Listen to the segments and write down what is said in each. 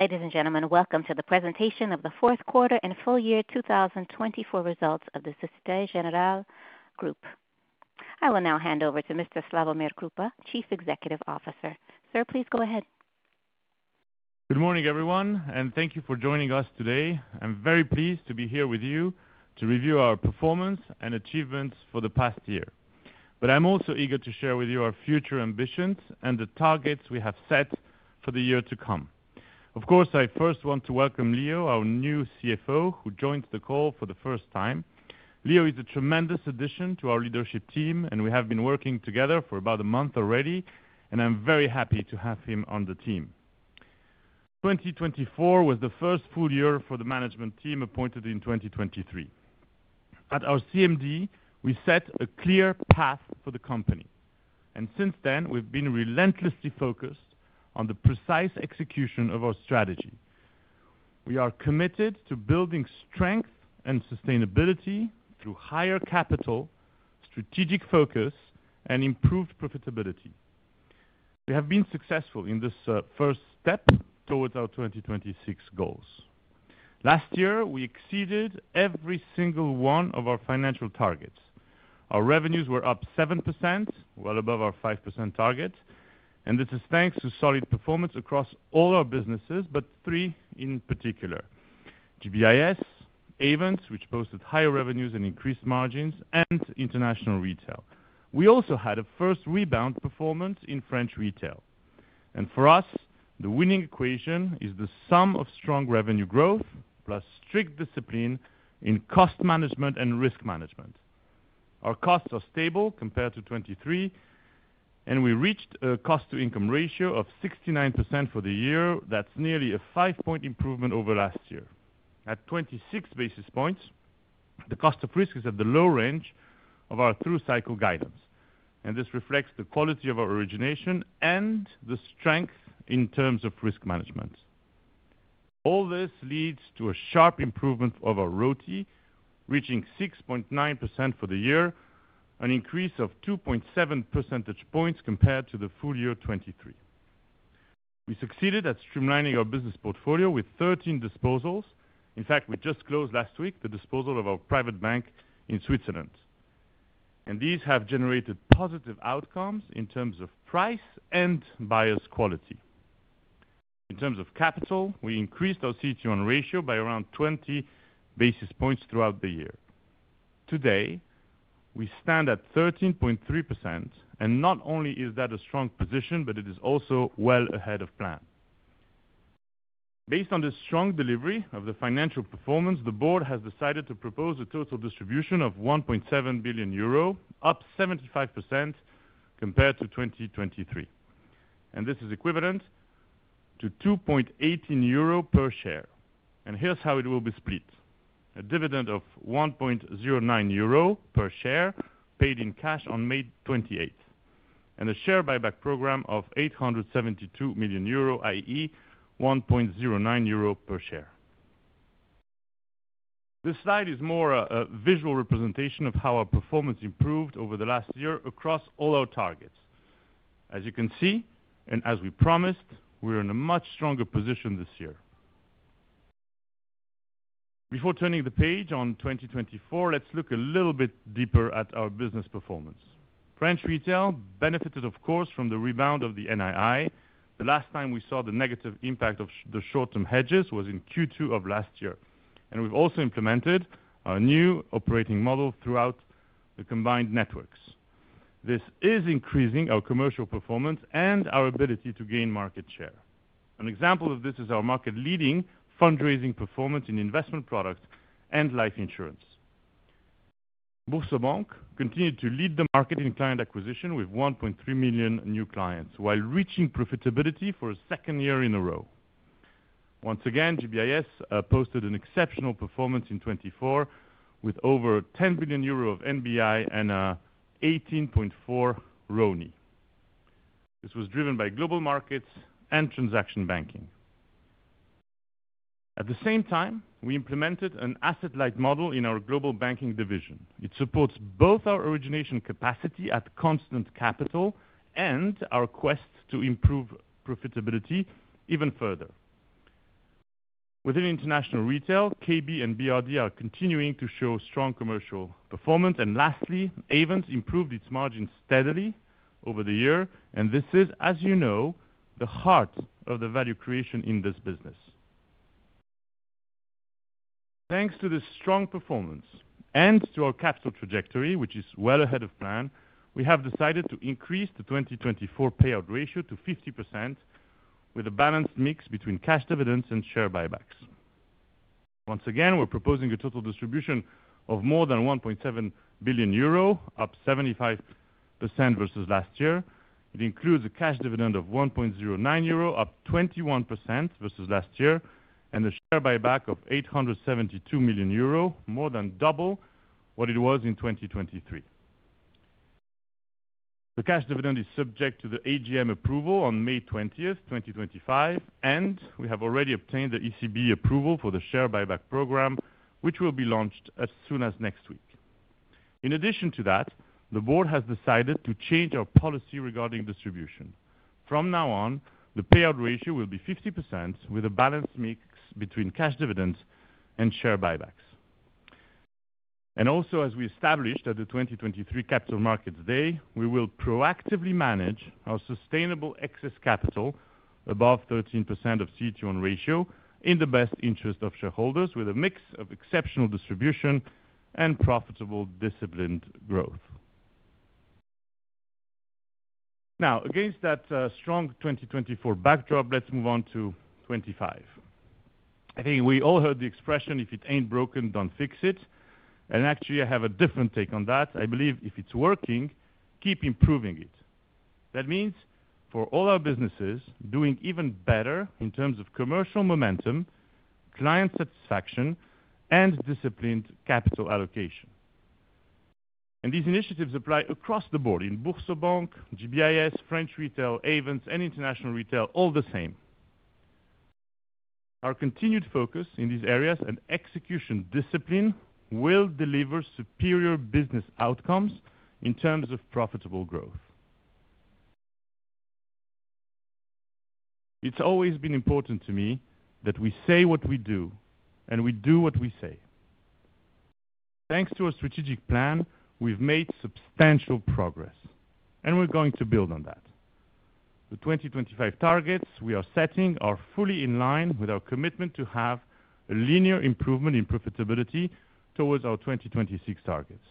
Ladies and gentlemen, welcome to the presentation of the Fourth Quarter and Full Year 2024 Results of the Société Générale Group. I will now hand over to Mr. Slawomir Krupa, Chief Executive Officer. Sir, please go ahead. Good morning, everyone, and thank you for joining us today. I'm very pleased to be here with you to review our performance and achievements for the past year. But I'm also eager to share with you our future ambitions and the targets we have set for the year to come. Of course, I first want to welcome Leo, our new CFO, who joined the call for the first time. Leo is a tremendous addition to our leadership team, and we have been working together for about a month already, and I'm very happy to have him on the team. 2024 was the first full year for the management team appointed in 2023. At our CMD, we set a clear path for the company, and since then, we've been relentlessly focused on the precise execution of our strategy. We are committed to building strength and sustainability through higher capital, strategic focus, and improved profitability. We have been successful in this first step towards our 2026 goals. Last year, we exceeded every single one of our financial targets. Our revenues were up 7%, well above our 5% target, and this is thanks to solid performance across all our businesses, but three in particular: GBIS, Ayvens, which posted higher revenues and increased margins, and International Retail we also had a first rebound performance French Retail, and for us, the winning equation is the sum of strong revenue growth plus strict discipline in cost management and risk management. Our costs are stable compared to 2023, and we reached a cost-to-income ratio of 69% for the year. That's nearly a five-point improvement over last year. At 26 basis points, the cost of risk is at the low range of our through cycle guidance, and this reflects the quality of our origination and the strength in terms of risk management. All this leads to a sharp improvement of our ROTE, reaching 6.9% for the year, an increase of 2.7 percentage points compared to the full year 2023. We succeeded at streamlining our business portfolio with 13 disposals. In fact, we just closed last week the disposal of our private bank in Switzerland, and these have generated positive outcomes in terms of price and buyer's quality. In terms of capital, we increased our CET1 ratio by around 20 basis points throughout the year. Today, we stand at 13.3%, and not only is that a strong position, but it is also well ahead of plan. Based on the strong delivery of the financial performance, the board has decided to propose a total distribution of 1.7 billion euro, up 75% compared to 2023, and this is equivalent to 2.18 euro per share, and here's how it will be split: a dividend of 1.09 euro per share paid in cash on May 28, and a share buyback program of 872 million euro, i.e., 1.09 euro per share. This slide is more a visual representation of how our performance improved over the last year across all our targets. As you can see, and as we promised, we're in a much stronger position this year. Before turning the page on 2024, let's look a little bit deeper at our business performance. French retail benefited, of course, from the rebound of the NII. The last time we saw the negative impact of the short-term hedges was in Q2 of last year, and we've also implemented a new operating model throughout the combined networks. This is increasing our commercial performance and our ability to gain market share. An example of this is our market-leading fundraising performance in investment products and life insurance. BoursoBank continued to lead the market in client acquisition with 1.3 million new clients, while reaching profitability for a second year in a row. Once again, GBIS posted an exceptional performance in 2024, with over 10 billion euro of NBI and a 18.4% ROTE. This was driven by Global Markets and Transaction Banking. At the same time, we implemented an asset-light model in our Global Banking division. It supports both our origination capacity at constant capital and our quest to improve profitability even further. Within international retail, KB and BRD are continuing to show strong commercial performance, and lastly, Ayvens improved its margins steadily over the year, and this is, as you know, the heart of the value creation in this business. Thanks to this strong performance and to our capital trajectory, which is well ahead of plan, we have decided to increase the 2024 payout ratio to 50%, with a balanced mix between cash dividends and share buybacks. Once again, we're proposing a total distribution of more than 1.7 billion euro, up 75% versus last year. It includes a cash dividend of 1.09 euro, up 21% versus last year, and a share buyback of 872 million euro, more than double what it was in 2023. The cash dividend is subject to the AGM approval on May 20, 2025, and we have already obtained the ECB approval for the share buyback program, which will be launched as soon as next week. In addition to that, the board has decided to change our policy regarding distribution. From now on, the payout ratio will be 50%, with a balanced mix between cash dividends and share buybacks. And also, as we established at the 2023 Capital Markets Day, we will proactively manage our sustainable excess capital above 13% CET1 ratio in the best interest of shareholders, with a mix of exceptional distribution and profitable disciplined growth. Now, against that strong 2024 backdrop, let's move on to 2025. I think we all heard the expression, "If it ain't broke, don't fix it." And actually, I have a different take on that. I believe if it's working, keep improving it. That means for all our businesses doing even better in terms of commercial momentum, client satisfaction, and disciplined capital allocation. These initiatives apply across the board in BoursoBank, GBIS, French retail, Ayvens, and international retail all the same. Our continued focus in these areas and execution discipline will deliver superior business outcomes in terms of profitable growth. It's always been important to me that we say what we do, and we do what we say. Thanks to our strategic plan, we've made substantial progress, and we're going to build on that. The 2025 targets we are setting are fully in line with our commitment to have a linear improvement in profitability towards our 2026 targets.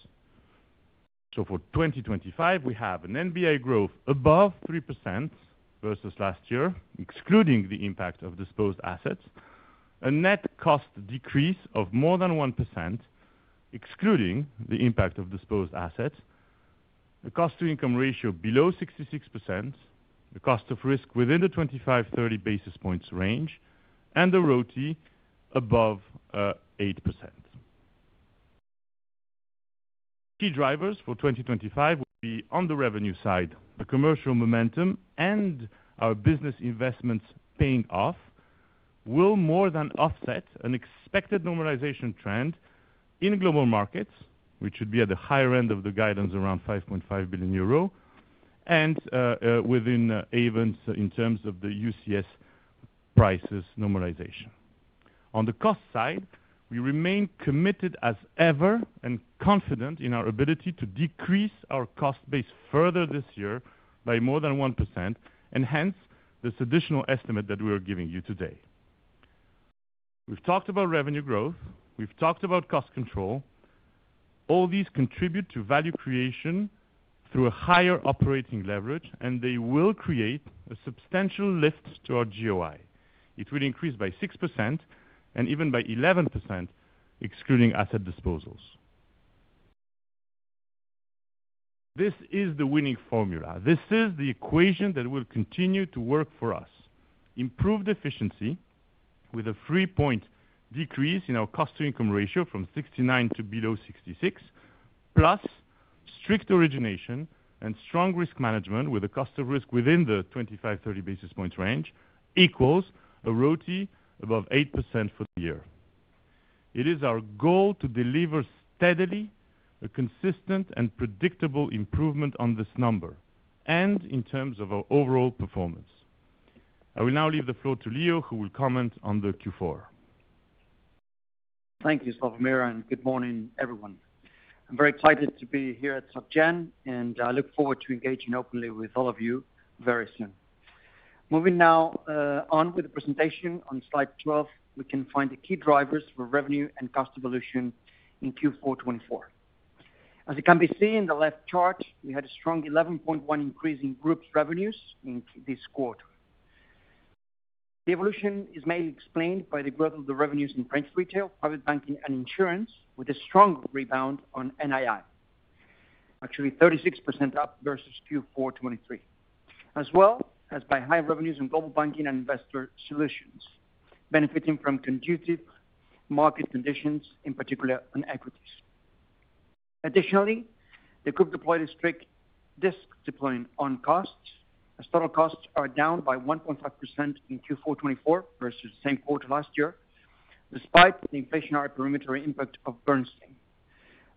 For 2025, we have an NBI growth above 3% versus last year, excluding the impact of disposed assets, a net cost decrease of more than 1%, excluding the impact of disposed assets, a cost-to-income ratio below 66%, a cost of risk within the 25-30 basis points range, and a ROTE above 8%. Key drivers for 2025 will be on the revenue side. The commercial momentum and our business investments paying off will more than offset an expected normalization trend in global markets, which should be at the higher end of the guidance, around 5.5 billion euro, and within Ayvens in terms of the UCS prices normalization. On the cost side, we remain committed as ever and confident in our ability to decrease our cost base further this year by more than 1%, and hence this additional estimate that we are giving you today. We've talked about revenue growth. We've talked about cost control. All these contribute to value creation through a higher operating leverage, and they will create a substantial lift to our GOI. It will increase by 6% and even by 11%, excluding asset disposals. This is the winning formula. This is the equation that will continue to work for us. Improved efficiency with a three-point decrease in our cost-to-income ratio from 69% to below 66%, plus strict origination and strong risk management with a cost of risk within the 25-30 basis points range, equals a ROTE above 8% for the year. It is our goal to deliver steadily a consistent and predictable improvement on this number and in terms of our overall performance. I will now leave the floor to Leo, who will comment on the Q4. Thank you, Slawomir, and good morning, everyone. I'm very excited to be here after Slawomir, and I look forward to engaging openly with all of you very soon. Moving now on with the presentation, on slide 12, we can find the key drivers for revenue and cost evolution in Q4 2024. As can be seen in the left chart, we had a strong 11.1% increase in group revenues in this quarter. The evolution is mainly explained by the growth of the revenues in French retail, private banking, and insurance, with a strong rebound on NII, actually 36% up versus Q4 2023, as well as by high revenues in Global Banking and Investor Solutions, benefiting from conducive market conditions, in particular on equities. Additionally, the group deployed a strict risk deployment on costs, as total costs are down by 1.5% in Q4 2024 versus the same quarter last year, despite the inflationary perimeter impact of Bernstein.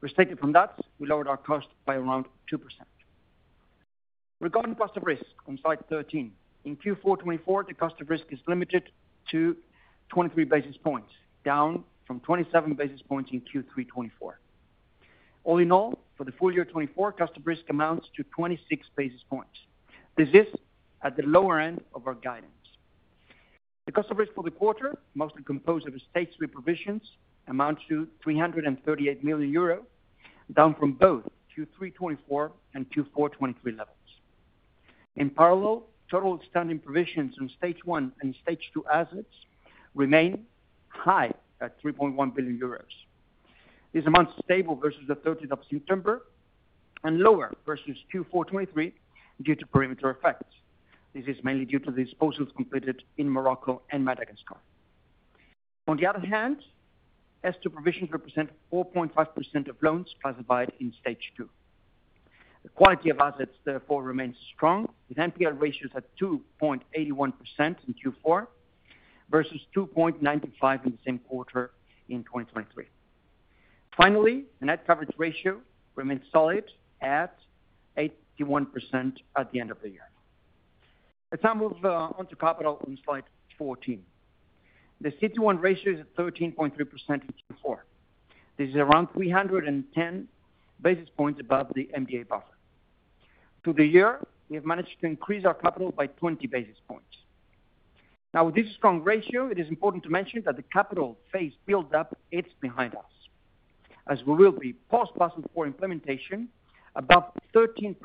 Restated from that, we lowered our cost by around 2%. Regarding cost of risk on slide 13, in Q4 2024, the cost of risk is limited to 23 basis points, down from 27 basis points in Q3 2024. All in all, for the full year 2024, cost of risk amounts to 26 basis points. This is at the lower end of our guidance. The cost of risk for the quarter, mostly composed of stage three provisions, amounts to 338 million euro, down from both Q3 2024 and Q4 2023 levels. In parallel, total standing provisions on stage one and stage two assets remain high at 3.1 billion euros. These amounts are stable versus the 30th of September and lower versus Q4 2023 due to perimeter effects. This is mainly due to the disposals completed in Morocco and Madagascar. On the other hand, S2 provisions represent 4.5% of loans classified in stage two. The quality of assets, therefore, remains strong, with NPL ratios at 2.81% in Q4 versus 2.95% in the same quarter in 2023. Finally, the net coverage ratio remains solid at 81% at the end of the year. Let's now move on to capital on slide 14. The CET1 ratio is at 13.3% for Q4. This is around 310 basis points above the MDA buffer. Through the year, we have managed to increase our capital by 20 basis points. Now, with this strong ratio, it is important to mention that the capital phase build-up is behind us, as we will be post-Basel IV implementation above 13%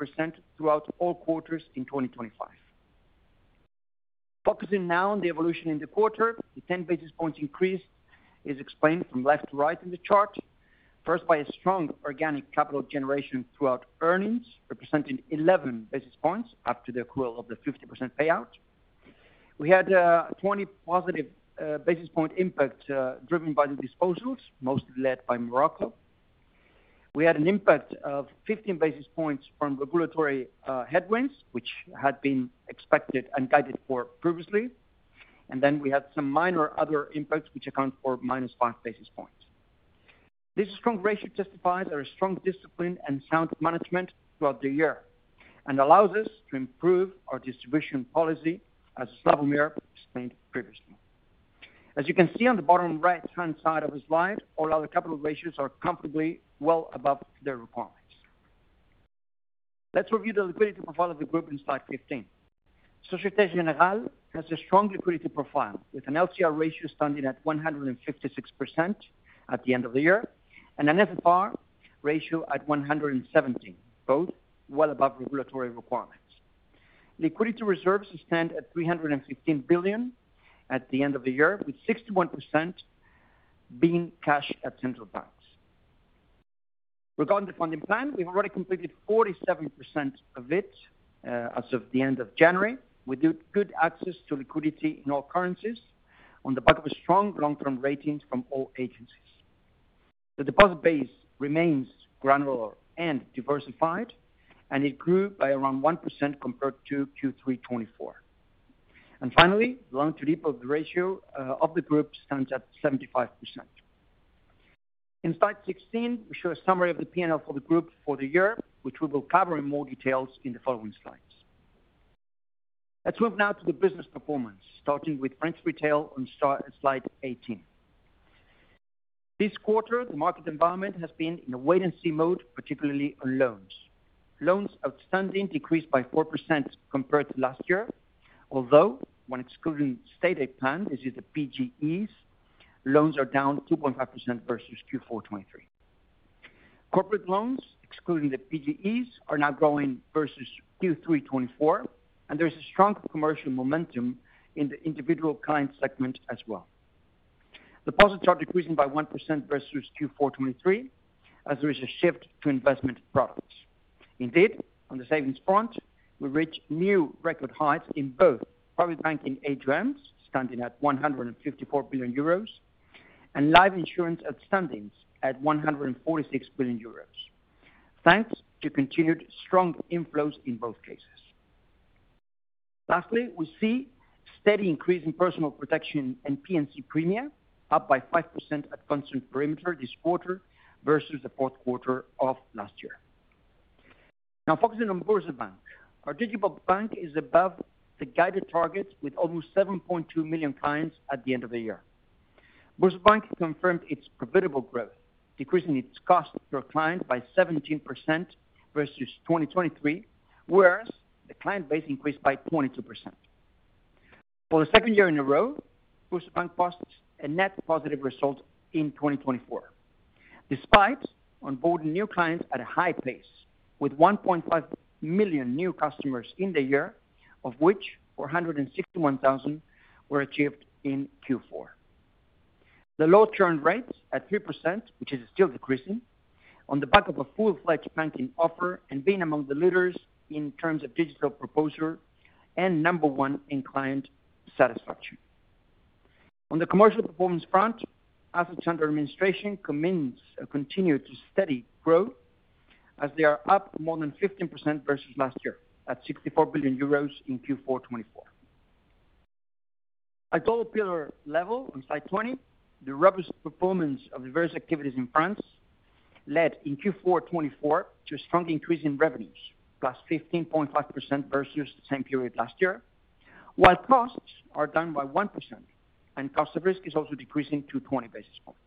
throughout all quarters in 2025. Focusing now on the evolution in the quarter, the 10 basis points increase is explained from left to right in the chart, first by a strong organic capital generation throughout earnings, representing 11 basis points after the accrual of the 50% payout. We had 20+ basis point impacts driven by the disposals, mostly led by Morocco. We had an impact of 15 basis points from regulatory headwinds, which had been expected and guided for previously. And then we had some minor other impacts, which account for -5 basis points. This strong ratio testifies to our strong discipline and sound management throughout the year and allows us to improve our distribution policy, as Slawomir explained previously. As you can see on the bottom right-hand side of the slide, all other capital ratios are comfortably well above their requirements. Let's review the liquidity profile of the group in slide 15. Société Générale has a strong liquidity profile, with an LCR ratio standing at 156% at the end of the year and an NSFR ratio at 117, both well above regulatory requirements. Liquidity reserves stand at 315 billion at the end of the year, with 61% being cash at central banks. Regarding the funding plan, we've already completed 47% of it as of the end of January. We do have good access to liquidity in all currencies on the back of strong long-term ratings from all agencies. The deposit base remains granular and diversified, and it grew by around 1% compared to Q3 2024. And finally, the loan-to-deposit ratio of the group stands at 75%. In slide 16, we show a summary of the P&L for the group for the year, which we will cover in more detail in the following slides. Let's move now to the business performance, starting with French retail on slide 18. This quarter, the market environment has been in a wait-and-see mode, particularly on loans. Loans outstanding decreased by 4% compared to last year, although when excluding state aid plan, this is the PGEs, loans are down 2.5% versus Q4 2023. Corporate loans, excluding the PGEs, are now growing versus Q3 2024, and there is a strong commercial momentum in the individual client segment as well. The deposits are decreasing by 1% versus Q4 2023, as there is a shift to investment products. Indeed, on the savings front, we reached new record highs in both private banking AuMs, standing at 154 billion euros, and life insurance outstandings at 146 billion euros, thanks to continued strong inflows in both cases. Lastly, we see a steady increase in personal protection and P&C premia, up by 5% at constant perimeter this quarter versus the fourth quarter of last year. Now, focusing on BoursoBank, our digital bank is above the guided targets with almost 7.2 million clients at the end of the year. BoursoBank confirmed its profitable growth, decreasing its cost per client by 17% versus 2023, whereas the client base increased by 22%. For the second year in a row, BoursoBank posts a net positive result in 2024, despite onboarding new clients at a high pace, with 1.5 million new customers in the year, of which 461,000 were achieved in Q4. The low churn rate at 3%, which is still decreasing, on the back of a full-fledged banking offer and being among the leaders in terms of digital proposition and number one in client satisfaction. On the commercial performance front, Assets under administration commands a continued steady growth, as they are up more than 15% versus last year, at 64 billion euros in Q4 2024. At retail pillar level on slide 20, the robust performance of the various activities in France led in Q4 2024 to a strong increase in revenues, +15.5% versus the same period last year, while costs are down by 1%, and cost of risk is also decreasing to 20 basis points.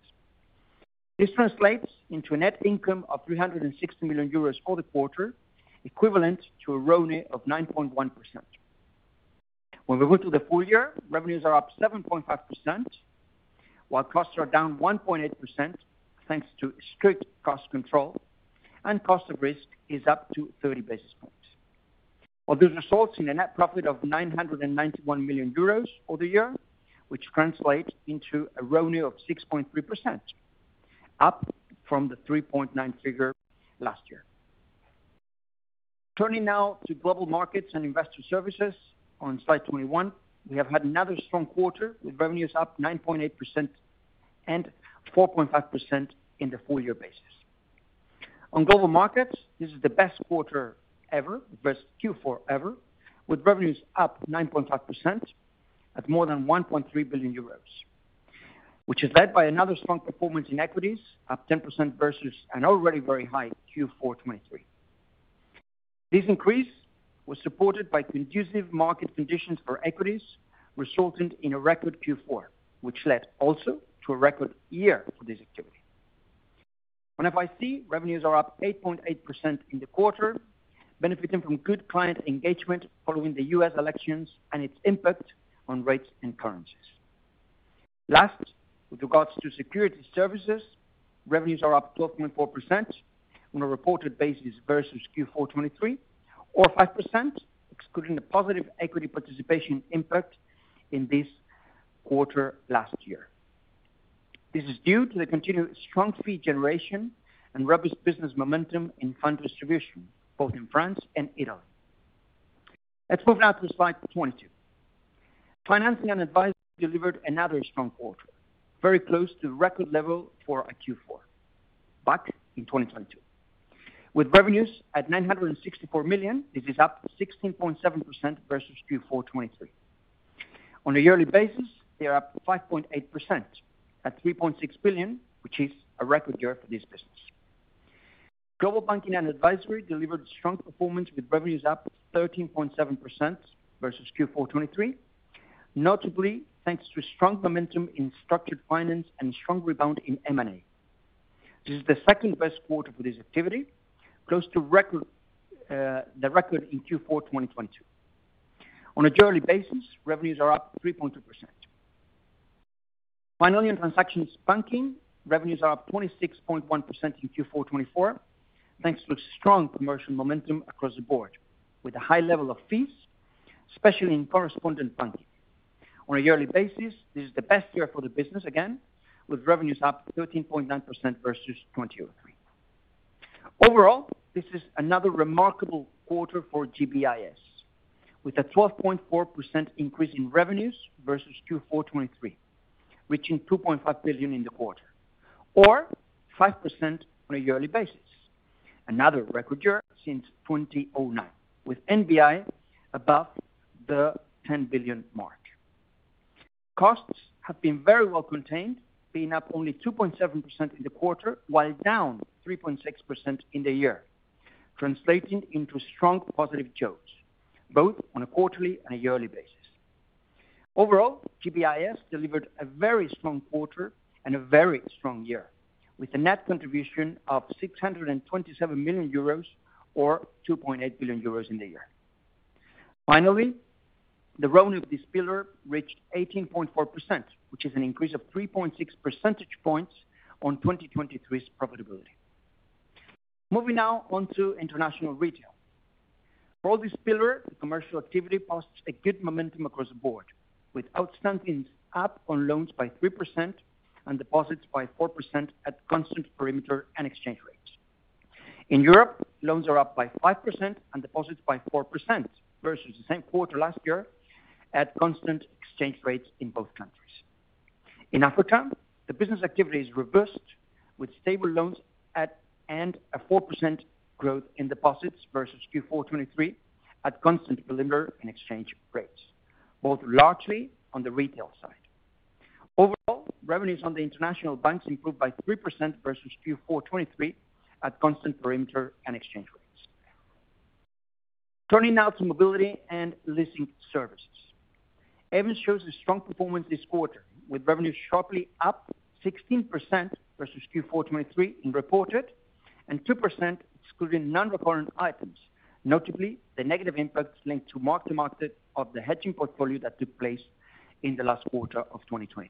This translates into a net income of 360 million euros for the quarter, equivalent to a ROTE of 9.1%. When we go to the full year, revenues are up 7.5%, while costs are down 1.8%, thanks to strict cost control, and cost of risk is up to 30 basis points. While this results in a net profit of 991 million euros for the year, which translates into a ROTE of 6.3%, up from the 3.9 figure last year. Turning now to Global Markets and Investor Services, on slide 21, we have had another strong quarter with revenues up 9.8% and 4.5% in the full year basis. On Global Markets, this is the best quarter ever, versus Q4 ever, with revenues up 9.5% at more than 1.3 billion euros, which is led by another strong performance in equities, up 10% versus an already very high Q4 2023. This increase was supported by conducive market conditions for equities, resulting in a record Q4, which led also to a record year for this activity. On FIC, revenues are up 8.8% in the quarter, benefiting from good client engagement following the US elections and its impact on rates and currencies. Lastly, with regards to Securities Services, revenues are up 12.4% on a reported basis versus Q4 2023, or 5%, excluding the positive equity participation impact in this quarter last year. This is due to the continued strong fee generation and robust business momentum in fund distribution, both in France and Italy. Let's move now to slide 22. Financing and Advisory delivered another strong quarter, very close to the record level for a Q4, back in 2022. With revenues at 964 million, this is up 16.7% versus Q4 2023. On a yearly basis, they are up 5.8% at 3.6 billion, which is a record year for this business. Global Banking and Advisory delivered strong performance with revenues up 13.7% versus Q4 2023, notably thanks to strong momentum in structured finance and a strong rebound in M&A. This is the second best quarter for this activity, close to the record in Q4 2022. On a yearly basis, revenues are up 3.2%. Finally, in transaction banking, revenues are up 26.1% in Q4 2024, thanks to strong commercial momentum across the board, with a high level of fees, especially in correspondent banking. On a yearly basis, this is the best year for the business again, with revenues up 13.9% versus 2023. Overall, this is another remarkable quarter for GBIS, with a 12.4% increase in revenues versus Q4 2023, reaching 2.5 billion in the quarter, or 5% on a yearly basis, another record year since 2009, with NBI above the 10 billion mark. Costs have been very well contained, being up only 2.7% in the quarter, while down 3.6% in the year, translating into strong positive jaws, both on a quarterly and a yearly basis. Overall, GBIS delivered a very strong quarter and a very strong year, with a net contribution of €627 million, or 2.8 billion euros in the year. Finally, the ROTE of this pillar reached 18.4%, which is an increase of 3.6 percentage points on 2023's profitability. Moving now on to international retail. For this pillar, the commercial activity posts a good momentum across the board, with outstandings up on loans by 3% and deposits by 4% at constant perimeter and exchange rates. In Europe, loans are up by 5% and deposits by 4% versus the same quarter last year at constant exchange rates in both countries. In Africa, the business activity is reviewed, with stable loans and a 4% growth in deposits versus Q4 2023 at constant perimeter and exchange rates, both largely on the retail side. Overall, revenues on the international banks improved by 3% versus Q4 2023 at constant perimeter and exchange rates. Turning now to Mobility and Leasing Services. Ayvens shows a strong performance this quarter, with revenues sharply up 16% versus Q4 2023 in reported and 2%, excluding non-recurrent items, notably the negative impacts linked to mark-to-market of the hedging portfolio that took place in the last quarter of 2023.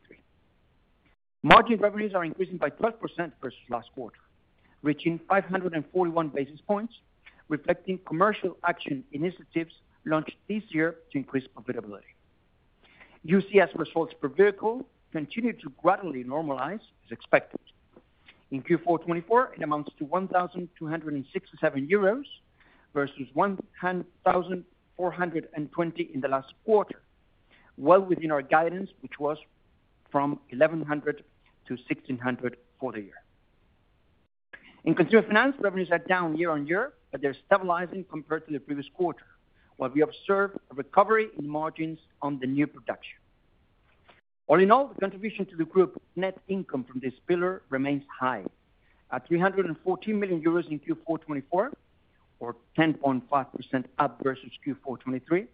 Margin revenues are increasing by 12% versus last quarter, reaching 541 basis points, reflecting commercial action initiatives launched this year to increase profitability. UCS results per vehicle continue to gradually normalize, as expected. In Q4 2024, it amounts to 1,267 euros versus 1,420 in the last quarter, well within our guidance, which was from 1,100-1,600 for the year. In Consumer Finance, revenues are down year-on-year, but they're stabilizing compared to the previous quarter, while we observe a recovery in margins on the new production. All in all, the contribution to the group net income from this pillar remains high, at 314 million euros in Q4 2024, or 10.5% up versus Q4 2023,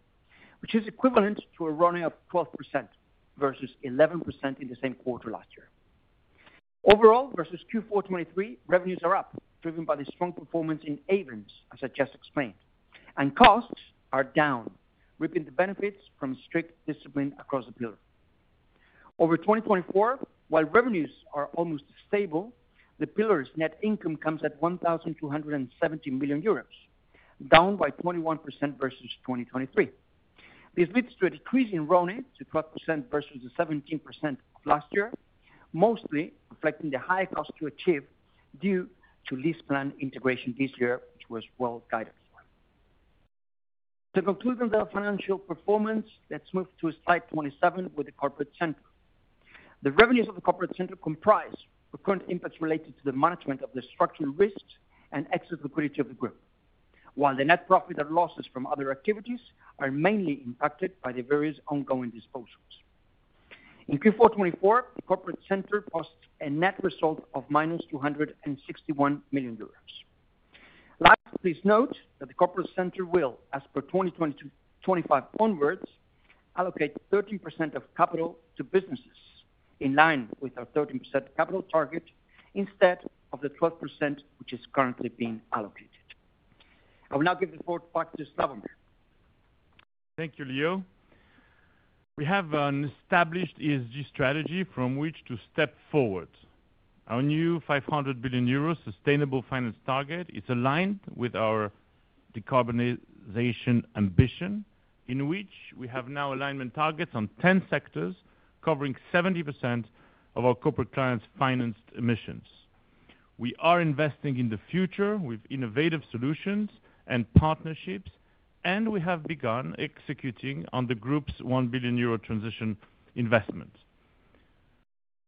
which is equivalent to a ROTE of 12% versus 11% in the same quarter last year. Overall, versus Q4 2023, revenues are up, driven by the strong performance in Ayvens, as I just explained, and costs are down, reaping the benefits from strict discipline across the pillar. Over 2024, while revenues are almost stable, the pillar's net income comes at 1,270 million euros, down by 21% versus 2023. This leads to a decrease in ROTE to 12% versus the 17% of last year, mostly reflecting the higher cost to achieve due to LeasePlan integration this year, which was well-guided. To conclude on the financial performance, let's move to slide 27 with the Corporate Center. The revenues of the Corporate Center comprise recurrent impacts related to the management of the structural risks and excess liquidity of the group, while the net profit and losses from other activities are mainly impacted by the various ongoing disposals. In Q4 2024, the Corporate Center posts a net result of 261 million euros. Last, please note that the Corporate Center will, as per 2025 onwards, allocate 13% of capital to businesses in line with our 13% capital target instead of the 12% which is currently being allocated. I will now give the floor back to Slawomir. Thank you, Leo. We have an established ESG strategy from which to step forward. Our new 500 billion euro sustainable finance target is aligned with our decarbonization ambition, in which we have now alignment targets on 10 sectors covering 70% of our corporate clients' financed emissions. We are investing in the future with innovative solutions and partnerships, and we have begun executing on the group's 1 billion euro transition investment.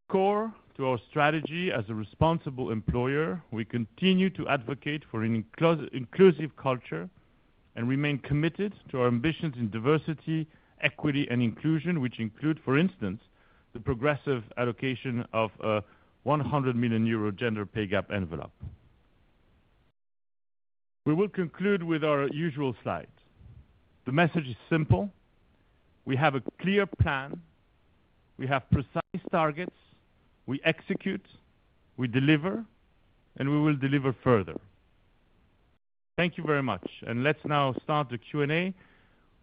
Core to our strategy as a responsible employer, we continue to advocate for an inclusive culture and remain committed to our ambitions in diversity, equity, and inclusion, which include, for instance, the progressive allocation of a 100 million euro gender pay gap envelope. We will conclude with our usual slides. The message is simple. We have a clear plan. We have precise targets. We execute. We deliver, and we will deliver further. Thank you very much. And let's now start the Q&A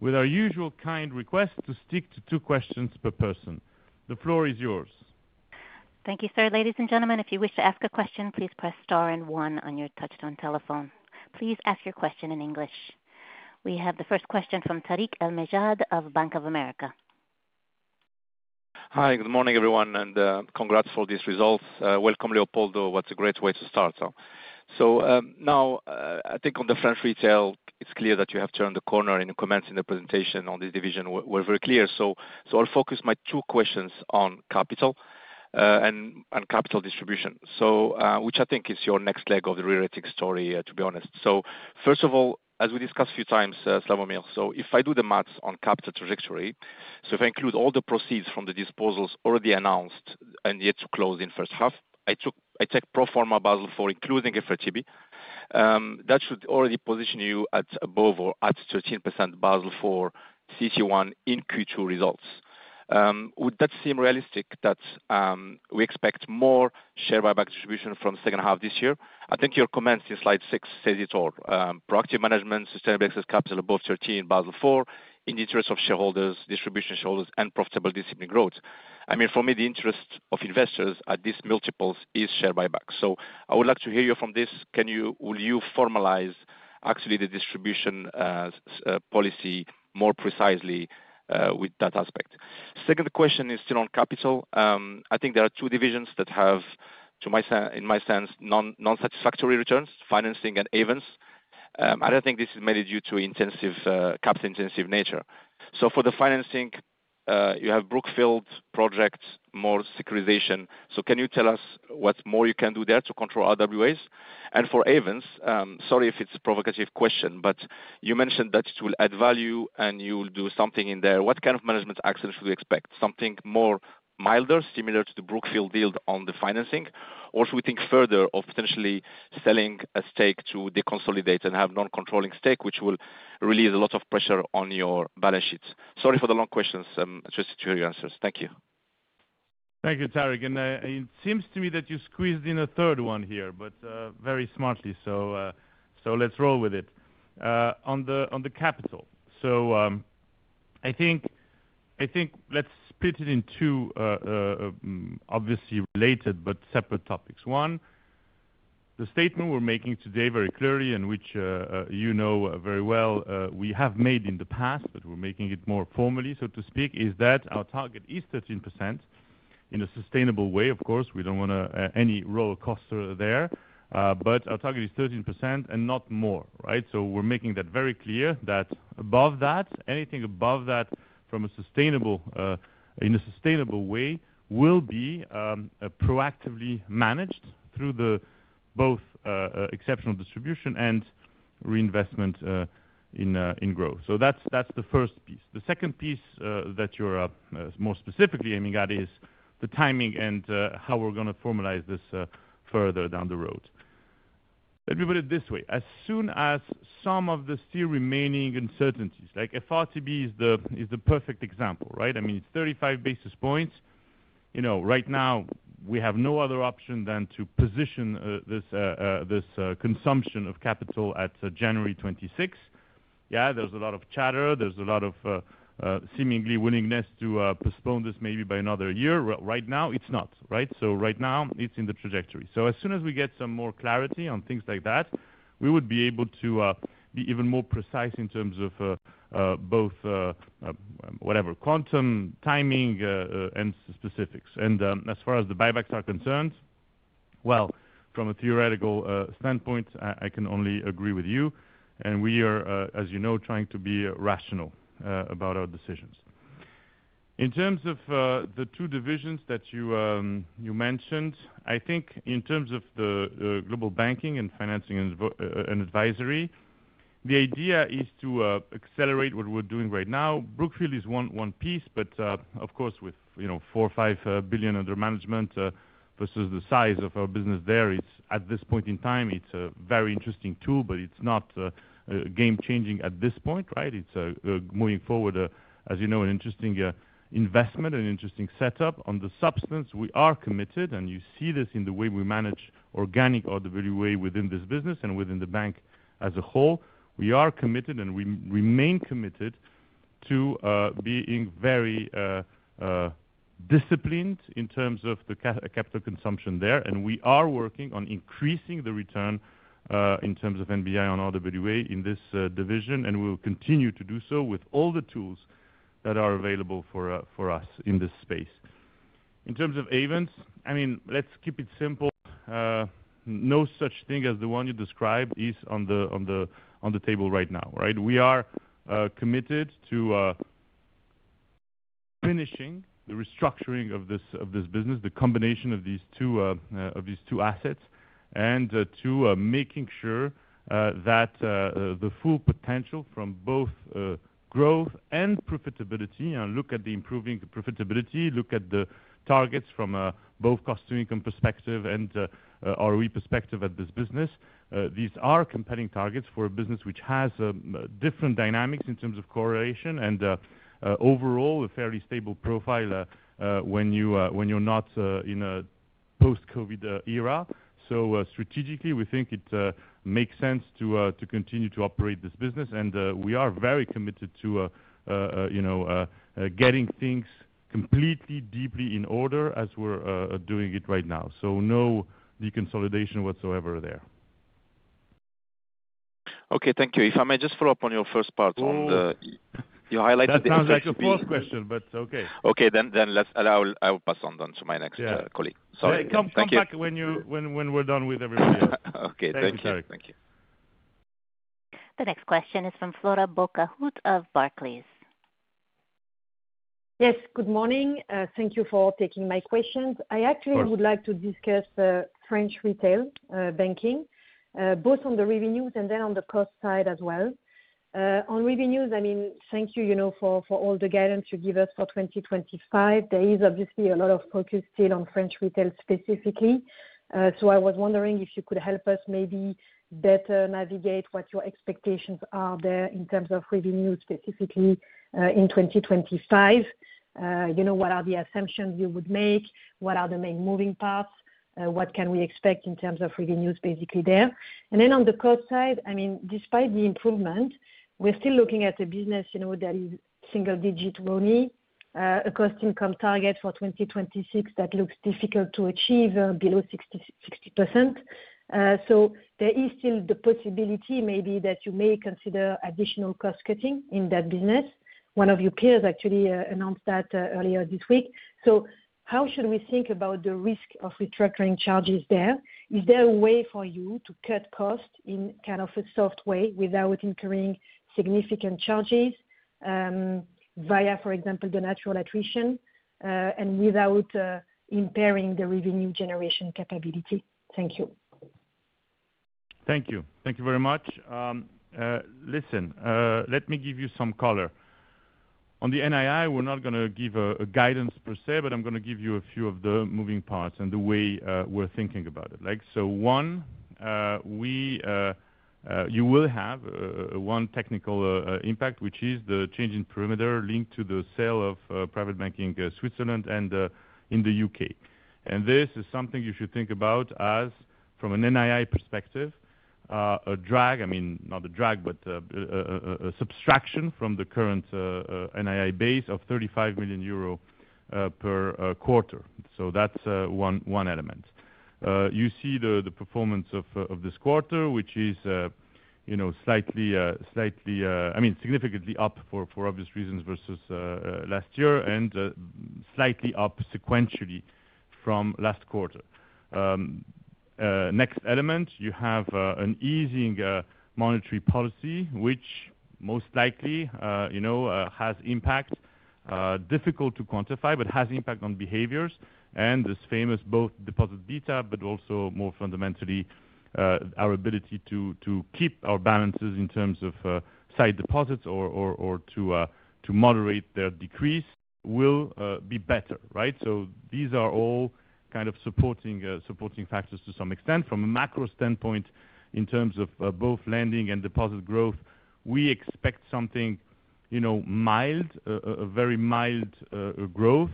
with our usual kind request to stick to two questions per person. The floor is yours. Thank you, sir. Ladies and gentlemen, if you wish to ask a question, please press star and one on your touch-tone telephone. Please ask your question in English. We have the first question from Tarik El Mejjad of Bank of America. Hi, good morning, everyone, and congrats for these results. Welcome, Leopoldo. What's a great way to start. So now, I think on the French retail, it's clear that you have turned the corner in comments in the presentation on this division. We're very clear. So I'll focus my two questions on capital and capital distribution, which I think is your next leg of the re-rating story, to be honest. First of all, as we discussed a few times, Slawomir, if I do the maths on capital trajectory, so if I include all the proceeds from the disposals already announced and yet to close in first half, I take pro forma Basel IV, including FRTB. That should already position you at above or at 13% Basel IV CET1 in Q2 results. Would that seem realistic that we expect more share buyback distribution from second half this year? I think your comments in slide six say it all. Proactive management, sustainable excess capital above 13% Basel IV in the interest of shareholders, distribution shareholders, and profitable discipline growth. I mean, for me, the interest of investors at these multiples is share buyback. So I would like to hear you from this. Will you formalize actually the distribution policy more precisely with that aspect? Second question is still on capital. I think there are two divisions that have, in my sense, non-satisfactory returns, financing and Ayvens. I don't think this is mainly due to capital-intensive nature. So for the financing, you have Brookfield projects, more securitization. So can you tell us what more you can do there to control RWAs? And for Ayvens, sorry if it's a provocative question, but you mentioned that it will add value and you will do something in there. What kind of management actions should we expect? Something more milder, similar to the Brookfield deal on the financing, or should we think further of potentially selling a stake to deconsolidate and have non-controlling stake, which will release a lot of pressure on your balance sheets? Sorry for the long questions. I'm interested to hear your answers. Thank you. Thank you, Tarik. It seems to me that you squeezed in a third one here, but very smartly. So let's roll with it. On the capital, I think let's split it in two, obviously related but separate topics. One, the statement we're making today very clearly, and which you know very well, we have made in the past, but we're making it more formally, so to speak, is that our target is 13% in a sustainable way. Of course, we don't want any roller coaster there, but our target is 13% and not more. So we're making that very clear that above that, anything above that in a sustainable way will be proactively managed through both exceptional distribution and reinvestment in growth. So that's the first piece. The second piece that you're more specifically aiming at is the timing and how we're going to formalize this further down the road. Let me put it this way. As soon as some of the still remaining uncertainties, like FRTB is the perfect example, right? I mean, it's 35 basis points. Right now, we have no other option than to position this consumption of capital at January 26. Yeah, there's a lot of chatter. There's a lot of seemingly willingness to postpone this maybe by another year. Right now, it's not. So right now, it's in the trajectory. So as soon as we get some more clarity on things like that, we would be able to be even more precise in terms of both whatever quantum timing and specifics. And as far as the buybacks are concerned, well, from a theoretical standpoint, I can only agree with you. And we are, as you know, trying to be rational about our decisions. In terms of the two divisions that you mentioned, I think in terms of the global banking and Financing and Advisory, the idea is to accelerate what we're doing right now. Brookfield is one piece, but of course, with 4-5 billion under management versus the size of our business there, at this point in time, it's a very interesting tool, but it's not game-changing at this point. It's moving forward, as you know, an interesting investment, an interesting setup. On the substance, we are committed, and you see this in the way we manage organic RWA within this business and within the bank as a whole. We are committed and we remain committed to being very disciplined in terms of the capital consumption there. And we are working on increasing the return in terms of NBI on RWA in this division, and we will continue to do so with all the tools that are available for us in this space. In terms of Ayvens, I mean, let's keep it simple. No such thing as the one you described is on the table right now. We are committed to finishing the restructuring of this business, the combination of these two assets, and to making sure that the full potential from both growth and profitability, and look at the improving profitability, look at the targets from both cost to income perspective and ROE perspective at this business. These are compelling targets for a business which has different dynamics in terms of correlation and overall a fairly stable profile when you're not in a post-COVID era. So strategically, we think it makes sense to continue to operate this business, and we are very committed to getting things completely deeply in order as we're doing it right now. So no deconsolidation whatsoever there. Okay, thank you. If I may just follow up on your first part on the you highlighted the executive. It sounds like a small question, but okay. Okay, then I'll pass on then to my next colleague. Sorry. Thank you. Come back when we're done with everybody. Okay, thank you. Thank you. The next question is from Flora Bocahut of Barclays. Yes, good morning. Thank you for taking my questions. I actually would like to discuss French retail banking, both on the revenues and then on the cost side as well. On revenues, I mean, thank you for all the guidance you gave us for 2025. There is obviously a lot of focus still on French retail specifically. So I was wondering if you could help us maybe better navigate what your expectations are there in terms of revenues specifically in 2025. What are the assumptions you would make? What are the main moving parts? What can we expect in terms of revenues basically there? And then on the cost side, I mean, despite the improvement, we're still looking at a business that is single-digit ROTE, a cost-to-income target for 2026 that looks difficult to achieve below 60%. So there is still the possibility maybe that you may consider additional cost cutting in that business. One of your peers actually announced that earlier this week. So how should we think about the risk of restructuring charges there? Is there a way for you to cut costs in kind of a soft way without incurring significant charges via, for example, the natural attrition and without impairing the revenue generation capability? Thank you. Thank you. Thank you very much. Listen, let me give you some color. On the NII, we're not going to give a guidance per se, but I'm going to give you a few of the moving parts and the way we're thinking about it. So one, you will have one technical impact, which is the change in perimeter linked to the sale of Private Banking Switzerland and in the U.K. And this is something you should think about as, from an NII perspective, a drag, I mean, not a drag, but a subtraction from the current NII base of 35 million euro per quarter. So that's one element. You see the performance of this quarter, which is slightly, I mean, significantly up for obvious reasons versus last year and slightly up sequentially from last quarter. Next element, you have an easing monetary policy, which most likely has impact, difficult to quantify, but has impact on behaviors. And this famous both deposit beta, but also more fundamentally, our ability to keep our balances in terms of sight deposits or to moderate their decrease will be better. So these are all kind of supporting factors to some extent. From a macro standpoint, in terms of both lending and deposit growth, we expect something mild, a very mild growth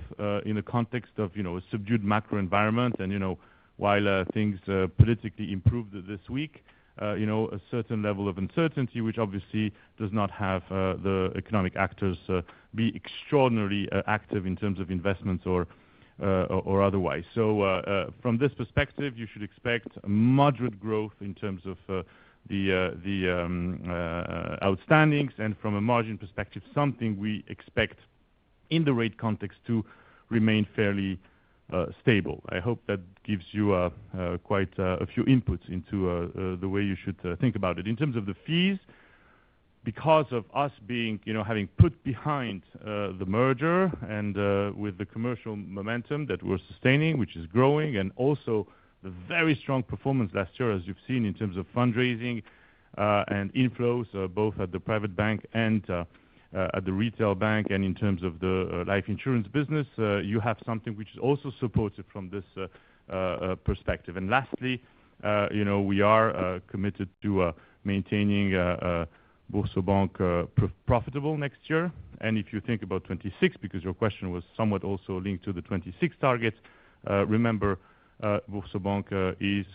in the context of a subdued macro environment. And while things politically improved this week, a certain level of uncertainty, which obviously does not have the economic actors be extraordinarily active in terms of investments or otherwise. So from this perspective, you should expect moderate growth in terms of the outstandings. And from a margin perspective, something we expect in the rate context to remain fairly stable. I hope that gives you quite a few inputs into the way you should think about it. In terms of the fees, because of us having put behind the merger and with the commercial momentum that we're sustaining, which is growing, and also the very strong performance last year, as you've seen in terms of fundraising and inflows, both at the private bank and at the retail bank and in terms of the life insurance business, you have something which is also supported from this perspective. And lastly, we are committed to maintaining BoursoBank profitable next year. If you think about 26, because your question was somewhat also linked to the 26 target, remember, BoursoBank is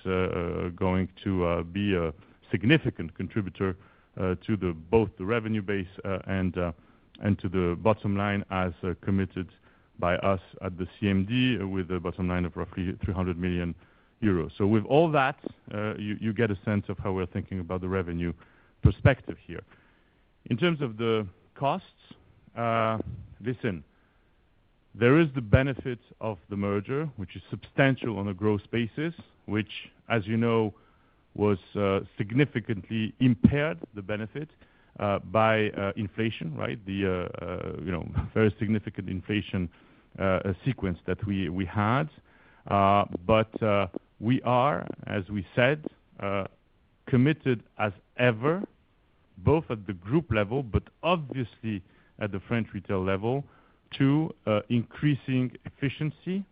going to be a significant contributor to both the revenue base and to the bottom line as committed by us at the CMD with a bottom line of roughly 300 million euros. So with all that, you get a sense of how we're thinking about the revenue perspective here. In terms of the costs, listen, there is the benefit of the merger, which is substantial on a growth basis, which, as you know, was significantly impaired, the benefit, by inflation, the very significant inflation sequence that we had. But we are, as we said, committed as ever, both at the group level, but obviously at the French retail level, to increasing efficiency,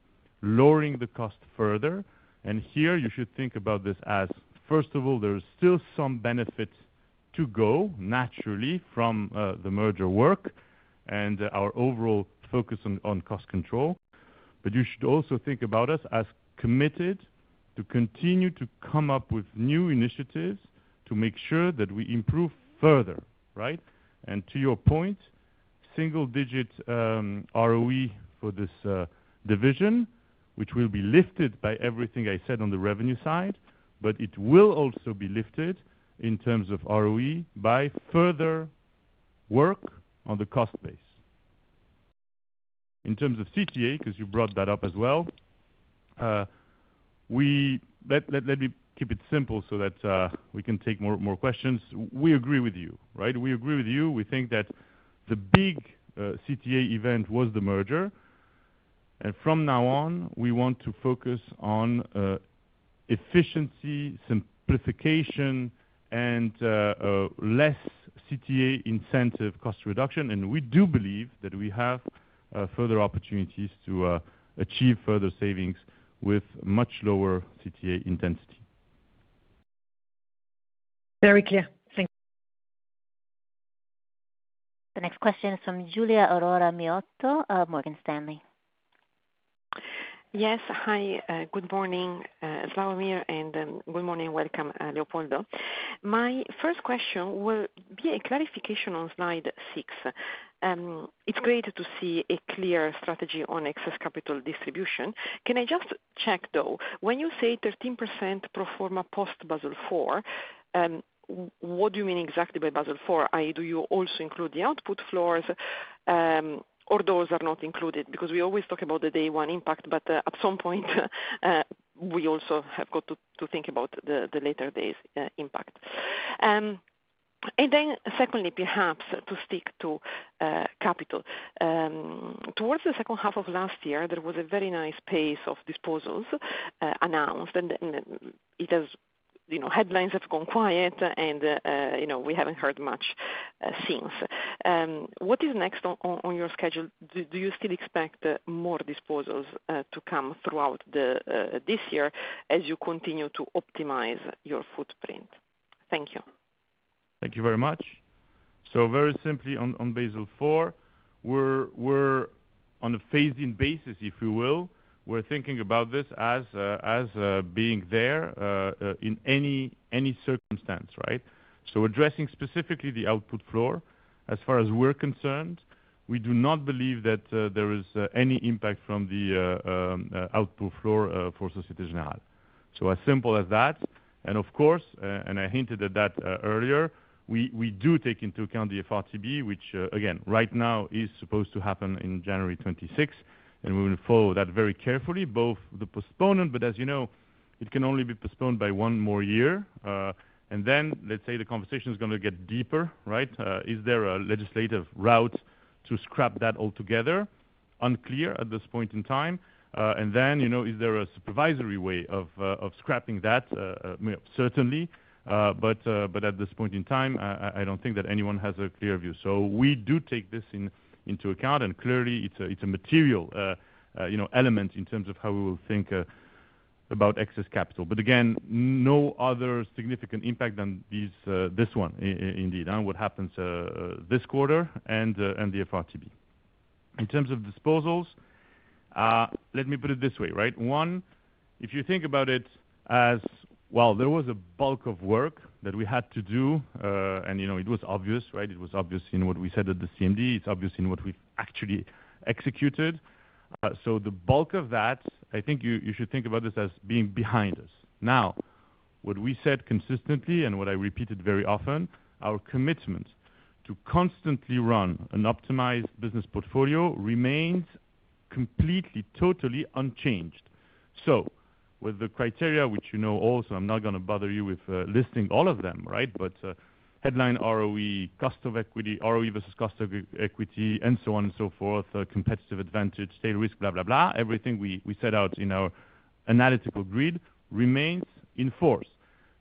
lowering the cost further. And here, you should think about this as, first of all, there is still some benefit to go naturally from the merger work and our overall focus on cost control. But you should also think about us as committed to continue to come up with new initiatives to make sure that we improve further. And to your point, single-digit ROE for this division, which will be lifted by everything I said on the revenue side, but it will also be lifted in terms of ROE by further work on the cost base. In terms of CTA, because you brought that up as well, let me keep it simple so that we can take more questions. We agree with you. We agree with you. We think that the big CTA event was the merger. And from now on, we want to focus on efficiency, simplification, and less CTA-intensive cost reduction. We do believe that we have further opportunities to achieve further savings with much lower CTA intensity. Very clear. Thank you. The next question is from Giulia Aurora Miotto, Morgan Stanley. Yes, hi. Good morning, Slawomir, and good morning, welcome, Leopoldo. My first question will be a clarification on slide 6. It's great to see a clear strategy on excess capital distribution. Can I just check, though? When you say 13% pro forma post Basel IV, what do you mean exactly by Basel IV? Do you also include the output floors, or those are not included? Because we always talk about the day-one impact, but at some point, we also have got to think about the later days' impact. Then secondly, perhaps to stick to capital, towards the second half of last year, there was a very nice pace of disposals announced, and headlines have gone quiet, and we haven't heard much since. What is next on your schedule? Do you still expect more disposals to come throughout this year as you continue to optimize your footprint? Thank you. Thank you very much. Very simply, on Basel IV, we're on a phasing basis, if you will. We're thinking about this as being there in any circumstance. Addressing specifically the output floor, as far as we're concerned, we do not believe that there is any impact from the output floor for Société Générale. As simple as that. Of course, and I hinted at that earlier, we do take into account the FRTB, which, again, right now is supposed to happen in January 2026, and we will follow that very carefully, both the postponement, but as you know, it can only be postponed by one more year. And then, let's say the conversation is going to get deeper. Is there a legislative route to scrap that altogether? Unclear at this point in time. And then, is there a supervisory way of scrapping that? Certainly. But at this point in time, I don't think that anyone has a clear view. So we do take this into account, and clearly, it's a material element in terms of how we will think about excess capital. But again, no other significant impact than this one, indeed, on what happens this quarter and the FRTB. In terms of disposals, let me put it this way. One, if you think about it as, well, there was a bulk of work that we had to do, and it was obvious. It was obvious in what we said at the CMD. It's obvious in what we've actually executed. So the bulk of that, I think you should think about this as being behind us. Now, what we said consistently, and what I repeated very often, our commitment to constantly run an optimized business portfolio remains completely, totally unchanged. So with the criteria, which you know also, I'm not going to bother you with listing all of them, but headline ROE, cost of equity, ROE versus cost of equity, and so on and so forth, competitive advantage, tail risk, blah, blah, blah, everything we set out in our analytical grid remains in force.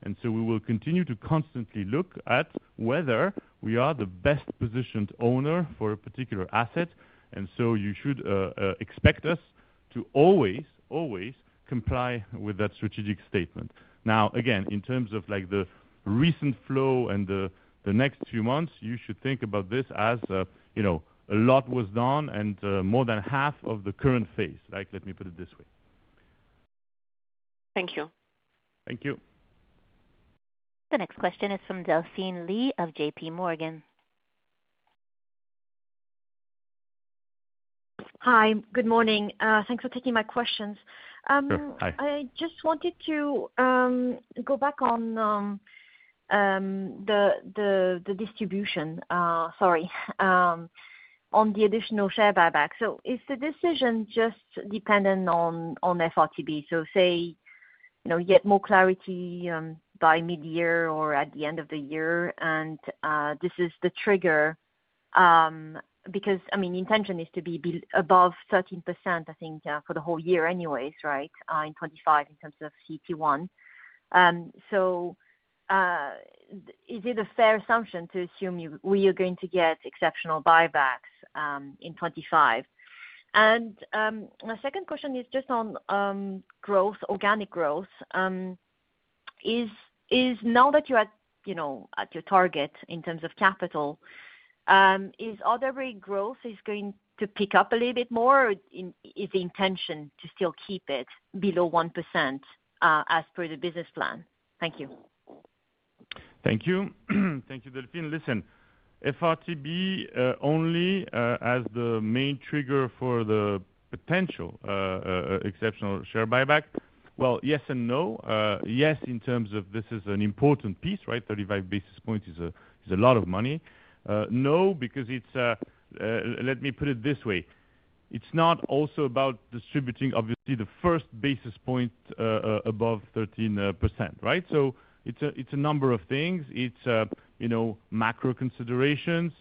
And so we will continue to constantly look at whether we are the best-positioned owner for a particular asset. And so you should expect us to always, always comply with that strategic statement. Now, again, in terms of the recent flow and the next few months, you should think about this as a lot was done and more than half of the current phase. Let me put it this way. Thank you. Thank you. The next question is from Delphine Lee of JP Morgan. Hi. Good morning. Thanks for taking my questions. I just wanted to go back on the distribution, sorry, on the additional share buyback. So is the decision just dependent on FRTB? So say you get more clarity by mid-year or at the end of the year, and this is the trigger because, I mean, the intention is to be above 13%, I think, for the whole year anyways, right, in 25 in terms of CET1. So is it a fair assumption to assume we are going to get exceptional buybacks in 25? And my second question is just on growth, organic growth. Now that you're at your target in terms of capital, is other rate growth going to pick up a little bit more, or is the intention to still keep it below 1% as per the business plan? Thank you. Thank you. Thank you, Delphine. Listen, FRTB only as the main trigger for the potential exceptional share buyback? Well, yes and no. Yes, in terms of this is an important piece, right? 35 basis points is a lot of money. No, because let me put it this way. It's not also about distributing, obviously, the first basis point above 13%, right? So it's a number of things. It's macro considerations.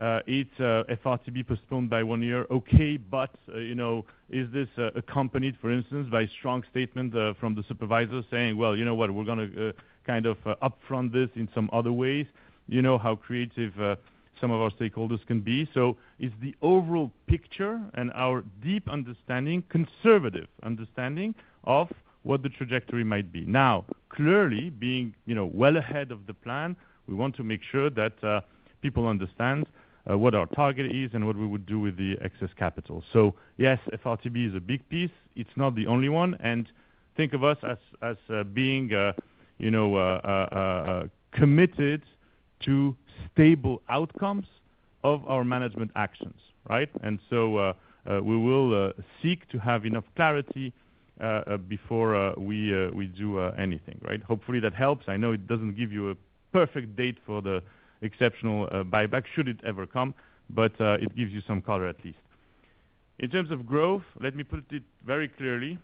It's FRTB postponed by one year. Okay, but is this accompanied, for instance, by a strong statement from the supervisor saying, "Well, you know what? We're going to kind of upfront this in some other ways," how creative some of our stakeholders can be? So it's the overall picture and our deep understanding, conservative understanding of what the trajectory might be. Now, clearly, being well ahead of the plan, we want to make sure that people understand what our target is and what we would do with the excess capital. So yes, FRTB is a big piece. It's not the only one. And think of us as being committed to stable outcomes of our management actions, right? And so we will seek to have enough clarity before we do anything, right? Hopefully, that helps. I know it doesn't give you a perfect date for the exceptional buyback, should it ever come, but it gives you some color at least. In terms of growth, let me put it very clearly,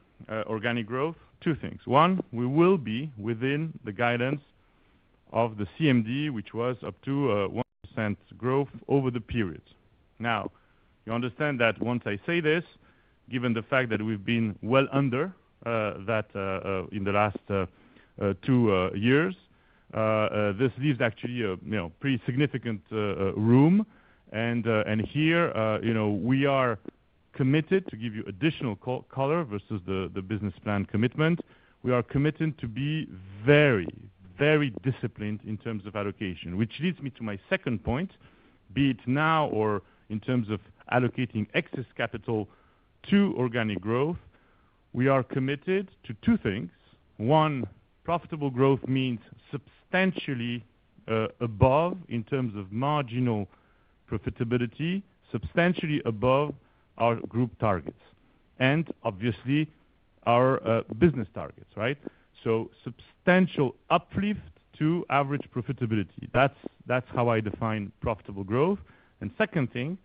organic growth, two things. One, we will be within the guidance of the CMD, which was up to 1% growth over the periods. Now, you understand that once I say this, given the fact that we've been well under that in the last two years, this leaves actually pretty significant room. And here, we are committed to give you additional color versus the business plan commitment. We are committed to be very, very disciplined in terms of allocation, which leads me to my second point, be it now or in terms of allocating excess capital to organic growth. We are committed to two things. One, profitable growth means substantially above in terms of marginal profitability, substantially above our group targets, and obviously, our business targets, right? So substantial uplift to average profitability. That's how I define profitable growth. And second thing,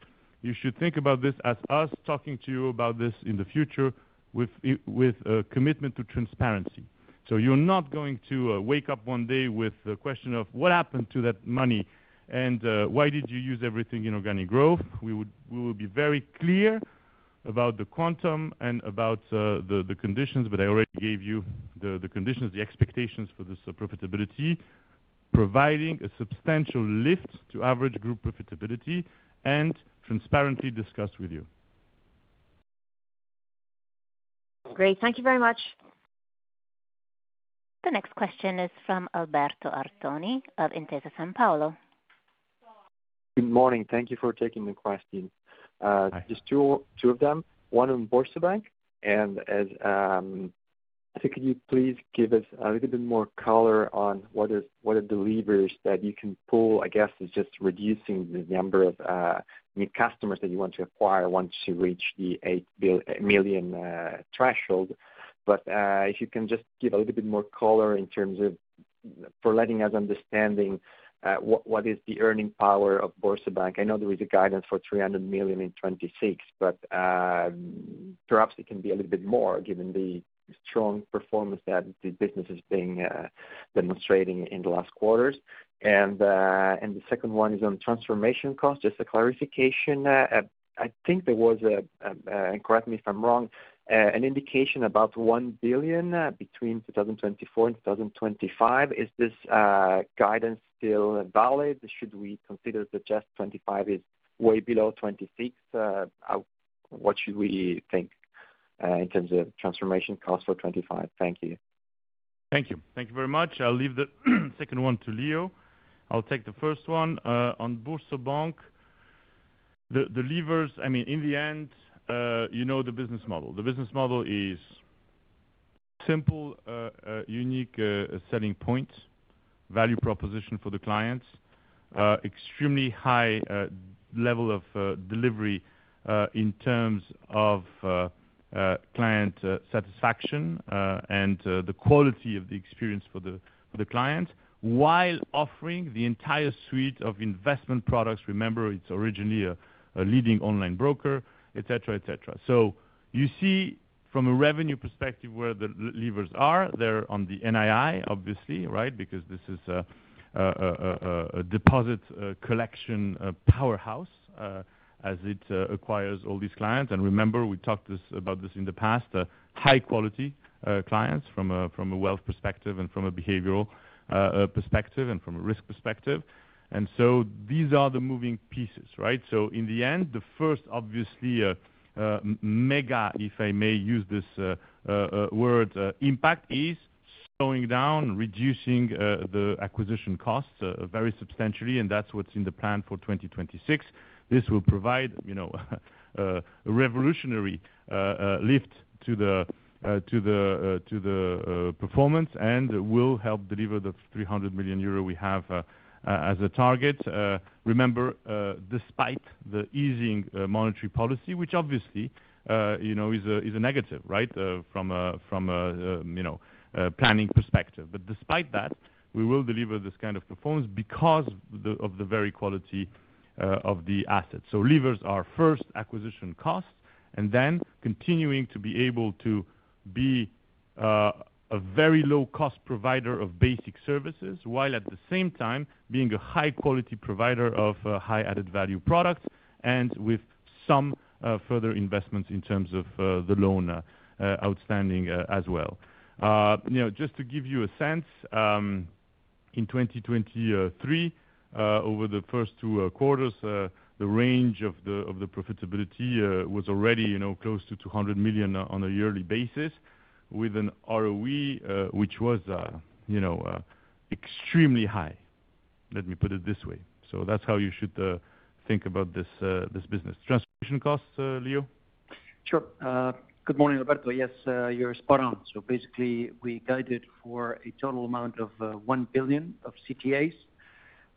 you should think about this as us talking to you about this in the future with a commitment to transparency. So you're not going to wake up one day with the question of, "What happened to that money? And why did you use everything in organic growth?" We will be very clear about the quantum and about the conditions, but I already gave you the conditions, the expectations for this profitability, providing a substantial lift to average group profitability, and transparently discussed with you. Great. Thank you very much. The next question is from Alberto Artoni of Intesa Sanpaolo. Good morning. Thank you for taking the question. Just two of them. One on BoursoBank. And could you please give us a little bit more color on what are the levers that you can pull? I guess it's just reducing the number of new customers that you want to acquire once you reach the eight million threshold. But if you can just give a little bit more color in terms of for letting us understand what is the earning power of BoursoBank. I know there is a guidance for 300 million in 2026, but perhaps it can be a little bit more given the strong performance that the business is demonstrating in the last quarters. And the second one is on transformation cost. Just a clarification. I think there was, and correct me if I'm wrong, an indication about 1 billion between 2024 and 2025. Is this guidance still valid? Should we consider that just 2025 is way below 2026? What should we think in terms of transformation cost for 2025? Thank you. Thank you. Thank you very much. I'll leave the second one to Leo. I'll take the first one on BoursoBank. The levers, I mean, in the end, you know the business model. The business model is simple, unique selling point, value proposition for the clients, extremely high level of delivery in terms of client satisfaction and the quality of the experience for the clients while offering the entire suite of investment products. Remember, it's originally a leading online broker, etc., etc. So you see, from a revenue perspective, where the levers are, they're on the NII, obviously, right? Because this is a deposit collection powerhouse as it acquires all these clients. And remember, we talked about this in the past, high-quality clients from a wealth perspective and from a behavioral perspective and from a risk perspective. And so these are the moving pieces, right? So in the end, the first, obviously, mega, if I may use this word, impact is slowing down, reducing the acquisition costs very substantially, and that's what's in the plan for 2026. This will provide a revolutionary lift to the performance and will help deliver the 300 million euro we have as a target. Remember, despite the easing monetary policy, which obviously is a negative, right, from a planning perspective. But despite that, we will deliver this kind of performance because of the very quality of the assets. So levers are first acquisition costs and then continuing to be able to be a very low-cost provider of basic services while at the same time being a high-quality provider of high-added value products and with some further investments in terms of the loan outstanding as well. Just to give you a sense, in 2023, over the first two quarters, the range of the profitability was already close to 200 million on a yearly basis with an ROE, which was extremely high. Let me put it this way. So that's how you should think about this business. Transformation costs, Leo? Sure. Good morning, Alberto. Yes, you're spot on. So basically, we guided for a total amount of 1 billion of CTAs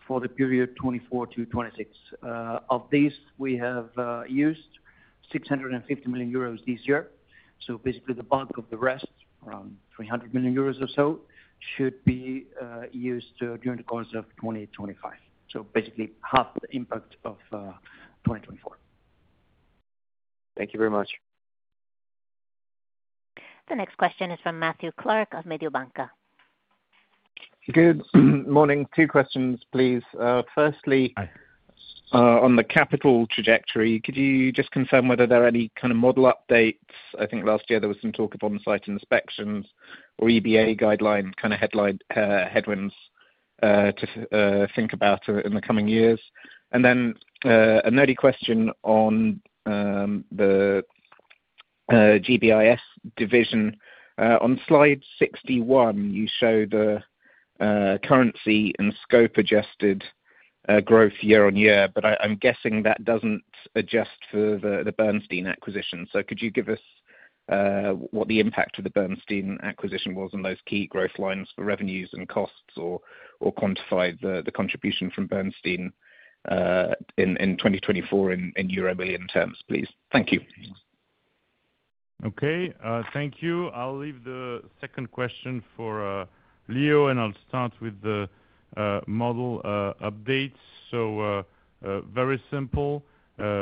for the period 2024 to 2026. Of these, we have used 650 million euros this year. So basically, the bulk of the rest, around 300 million euros or so, should be used during the course of 2025. So basically, half the impact of 2024. Thank you very much. The next question is from Matthew Clark of Mediobanca. Good morning. Two questions, please. Firstly, on the capital trajectory, could you just confirm whether there are any kind of model updates? I think last year there was some talk of on-site inspections or EBA guideline kind of headwinds to think about in the coming years. And then an early question on the GBIS division. On slide 61, you show the currency and scope-adjusted growth year on year, but I'm guessing that doesn't adjust for the Bernstein acquisition. So could you give us what the impact of the Bernstein acquisition was on those key growth lines for revenues and costs or quantify the contribution from Bernstein in 2024 in euro billion terms, please? Thank you. Okay. Thank you. I'll leave the second question for Leo, and I'll start with the model updates. So very simple.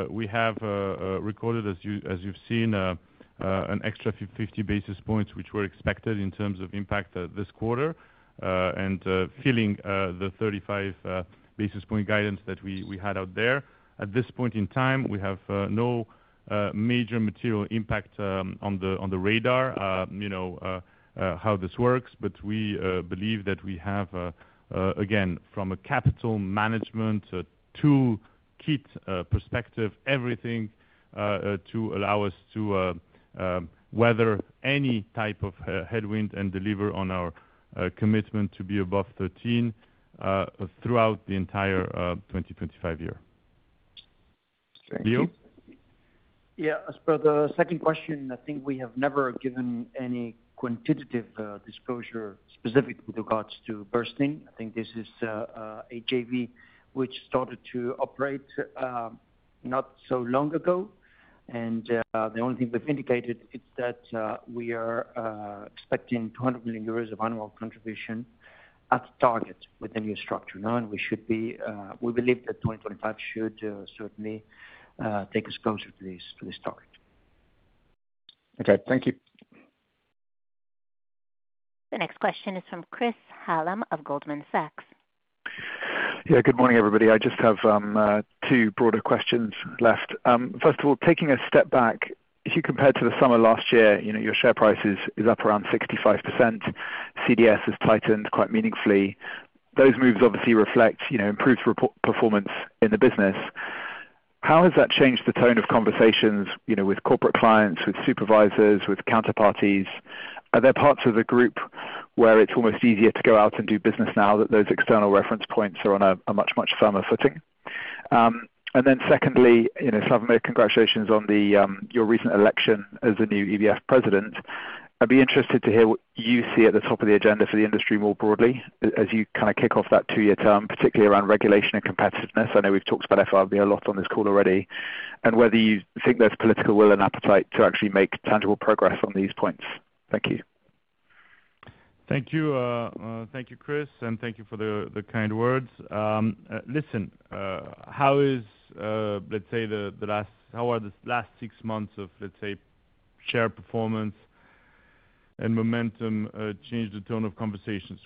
We have recorded, as you've seen, an extra 50 basis points, which were expected in terms of impact this quarter and filling the 35 basis point guidance that we had out there. At this point in time, we have no major material impact on the radar, how this works, but we believe that we have, again, from a capital management tool kit perspective, everything to allow us to weather any type of headwind and deliver on our commitment to be above 13 throughout the entire 2025 year. Thank you. Yeah. As per the second question, I think we have never given any quantitative disclosure specifically with regards to Bernstein. I think this is Ayvens, which started to operate not so long ago. And the only thing we've indicated is that we are expecting 200 million euros of annual contribution at target with the new structure. And we believe that 2025 should certainly take us closer to this target. Okay. Thank you. The next question is from Chris Hallam of Goldman Sachs. Yeah. Good morning, everybody. I just have two broader questions left. First of all, taking a step back, if you compare to the summer last year, your share price is up around 65%. CDS has tightened quite meaningfully. Those moves obviously reflect improved performance in the business. How has that changed the tone of conversations with corporate clients, with supervisors, with counterparties? Are there parts of the group where it's almost easier to go out and do business now that those external reference points are on a much, much firmer footing? And then secondly, Slawomir, congratulations on your recent election as the new EBF president. I'd be interested to hear what you see at the top of the agenda for the industry more broadly as you kind of kick off that two-year term, particularly around regulation and competitiveness. I know we've talked about FRTB a lot on this call already, and whether you think there's political will and appetite to actually make tangible progress on these points. Thank you. Thank you, Chris, and thank you for the kind words. Listen, how are the last six months of, let's say, share performance and momentum changed the tone of conversations?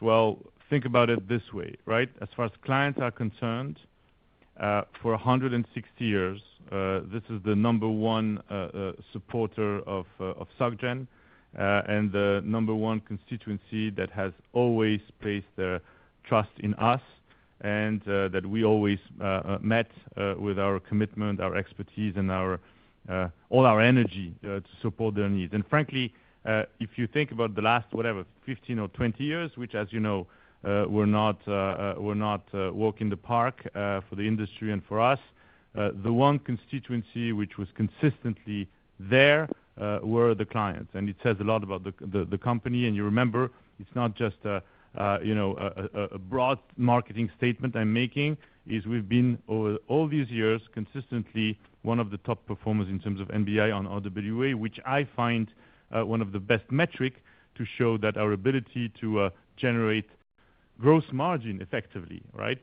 Think about it this way, right? As far as clients are concerned, for 160 years, this is the number one supporter of SocGen and the number one constituency that has always placed their trust in us and that we always met with our commitment, our expertise, and all our energy to support their needs. Frankly, if you think about the last, whatever, 15 or 20 years, which, as you know, were not a walk in the park for the industry and for us, the one constituency which was consistently there were the clients. It says a lot about the company. You remember, it's not just a broad marketing statement I'm making. It's that we've been over all these years consistently one of the top performers in terms of NBI on RWA, which I find one of the best metrics to show that our ability to generate gross margin effectively, right,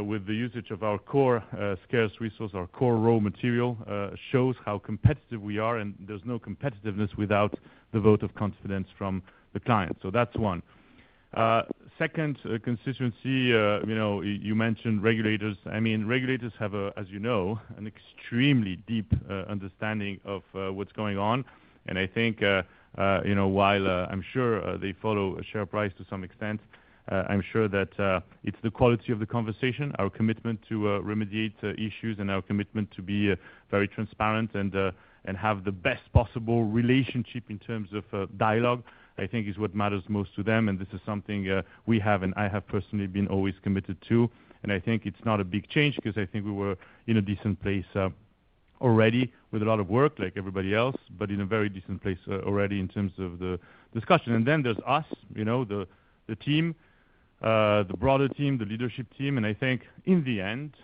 with the usage of our core capital resource, our core raw material shows how competitive we are, and there's no competitiveness without the vote of confidence from the client. So that's one. Second constituency, you mentioned regulators. I mean, regulators have, as you know, an extremely deep understanding of what's going on. And I think while I'm sure they follow a share price to some extent, I'm sure that it's the quality of the conversation, our commitment to remediate issues, and our commitment to be very transparent and have the best possible relationship in terms of dialogue, I think, is what matters most to them. And this is something we have, and I have personally been always committed to. And I think it's not a big change because I think we were in a decent place already with a lot of work, like everybody else, but in a very decent place already in terms of the discussion. And then there's us, the team, the broader team, the leadership team. And I think in the end,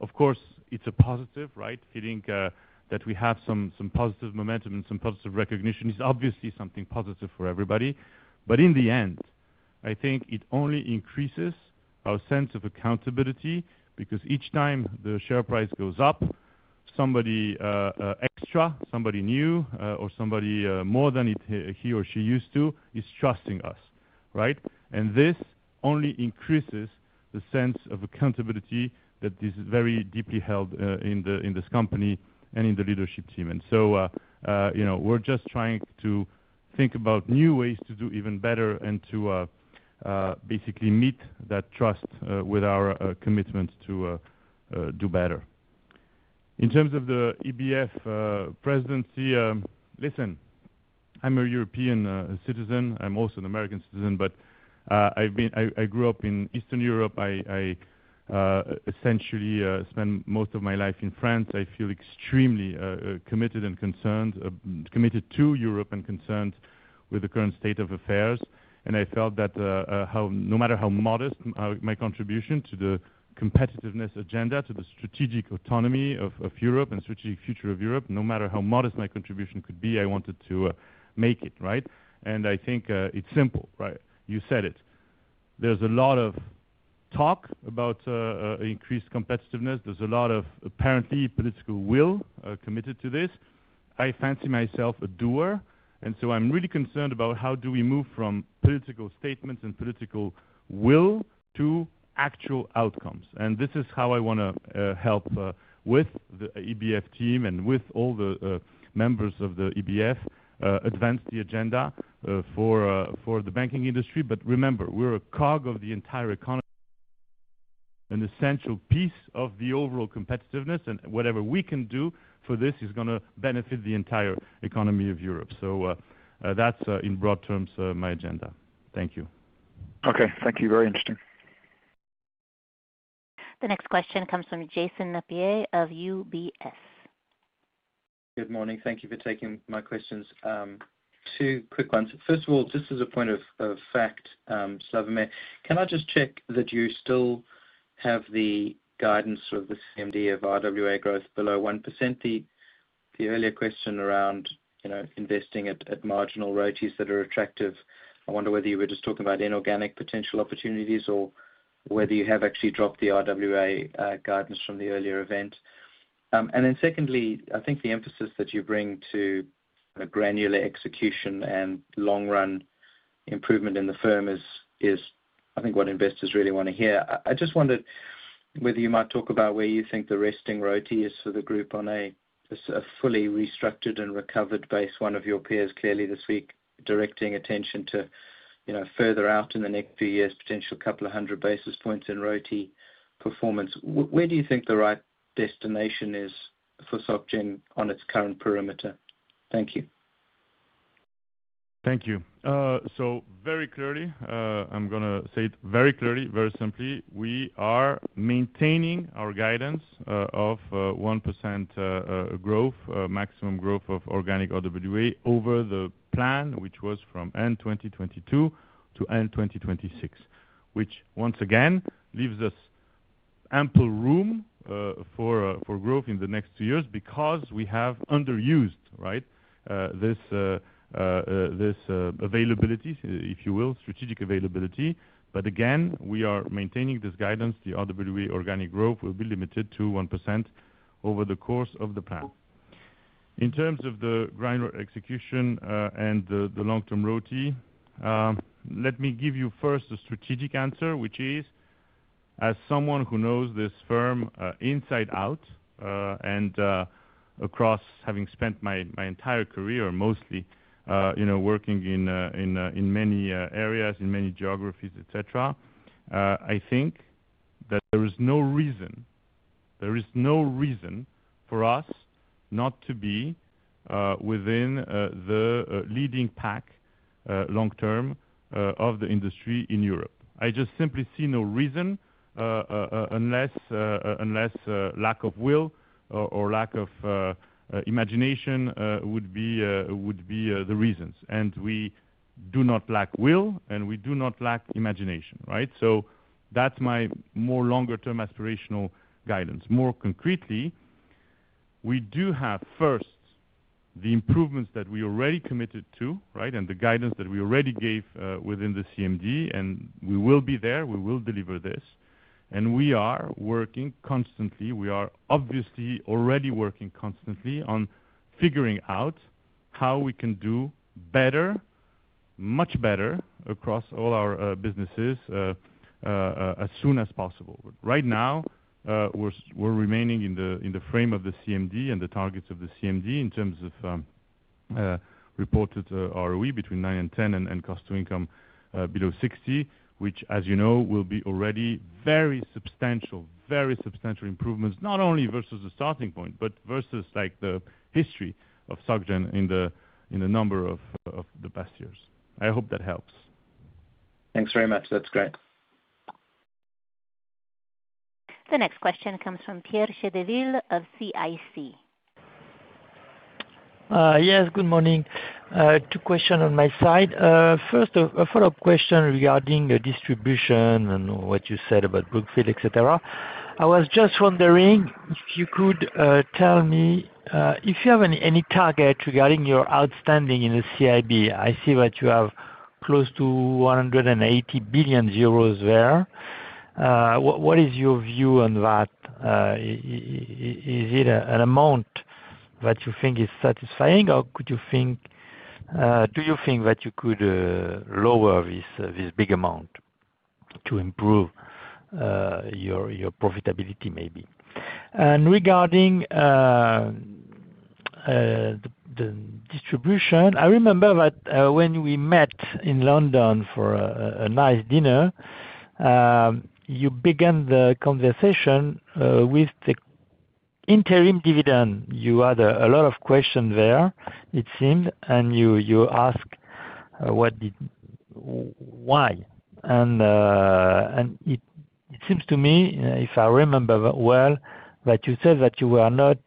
of course, it's a positive, right? Feeling that we have some positive momentum and some positive recognition is obviously something positive for everybody. But in the end, I think it only increases our sense of accountability because each time the share price goes up, somebody extra, somebody new, or somebody more than he or she used to is trusting us, right? And this only increases the sense of accountability that is very deeply held in this company and in the leadership team. And so we're just trying to think about new ways to do even better and to basically meet that trust with our commitment to do better. In terms of the EBF presidency, listen, I'm a European citizen. I'm also an American citizen, but I grew up in Eastern Europe. I essentially spent most of my life in France. I feel extremely committed and concerned, committed to Europe and concerned with the current state of affairs. And I felt that no matter how modest my contribution to the competitiveness agenda, to the strategic autonomy of Europe and strategic future of Europe, no matter how modest my contribution could be, I wanted to make it, right? And I think it's simple, right? You said it. There's a lot of talk about increased competitiveness. There's a lot of apparently political will committed to this. I fancy myself a doer. And so I'm really concerned about how do we move from political statements and political will to actual outcomes. And this is how I want to help with the EBF team and with all the members of the EBF advance the agenda for the banking industry. But remember, we're a cog of the entire economy, an essential piece of the overall competitiveness, and whatever we can do for this is going to benefit the entire economy of Europe. So that's, in broad terms, my agenda. Thank you. Okay. Thank you. Very interesting. The next question comes from Jason Napier of UBS. Good morning. Thank you for taking my questions. Two quick ones. First of all, just as a point of fact, Slawomir, can I just check that you still have the guidance of the CMD of RWA growth below 1%? The earlier question around investing at marginal ROTEs that are attractive, I wonder whether you were just talking about inorganic potential opportunities or whether you have actually dropped the RWA guidance from the earlier event. And then secondly, I think the emphasis that you bring to granular execution and long-run improvement in the firm is, I think, what investors really want to hear. I just wondered whether you might talk about where you think the resting ROTE is for the group on a fully restructured and recovered base. One of your peers clearly this week directing attention to further out in the next few years, potential couple of hundred basis points in ROTE performance. Where do you think the right destination is for SocGen on its current perimeter? Thank you. Thank you. Very clearly, I'm going to say it very clearly, very simply. We are maintaining our guidance of 1% growth, maximum growth of organic RWA over the plan, which was from end 2022 to end 2026, which once again leaves us ample room for growth in the next two years because we have underused, right, this availability, if you will, strategic availability. But again, we are maintaining this guidance. The RWA organic growth will be limited to 1% over the course of the plan. In terms of the granular execution and the long-term ROTE, let me give you first a strategic answer, which is, as someone who knows this firm inside out and across having spent my entire career mostly working in many areas, in many geographies, etc., I think that there is no reason, there is no reason for us not to be within the leading pack long-term of the industry in Europe. I just simply see no reason unless lack of will or lack of imagination would be the reasons. And we do not lack will, and we do not lack imagination, right? So that's my more longer-term aspirational guidance. More concretely, we do have first the improvements that we already committed to, right, and the guidance that we already gave within the CMD, and we will be there. We will deliver this. And we are working constantly. We are obviously already working constantly on figuring out how we can do better, much better across all our businesses as soon as possible. Right now, we're remaining in the frame of the CMD and the targets of the CMD in terms of reported ROE between 9%-10% and cost to income below 60%, which, as you know, will be already very substantial, very substantial improvements, not only versus the starting point, but versus the history of Société Générale in the number of the past years. I hope that helps. Thanks very much. That's great. The next question comes from Pierre Chedeville of CIC. Yes. Good morning. Two questions on my side. First, a follow-up question regarding distribution and what you said about Brookfield, etc. I was just wondering if you could tell me if you have any target regarding your outstanding in the CIB. I see that you have close to 180 billion euros there. What is your view on that? Is it an amount that you think is satisfying, or do you think that you could lower this big amount to improve your profitability maybe? And regarding the distribution, I remember that when we met in London for a nice dinner, you began the conversation with the interim dividend. You had a lot of questions there, it seemed, and you asked why? And it seems to me, if I remember well, that you said that you were not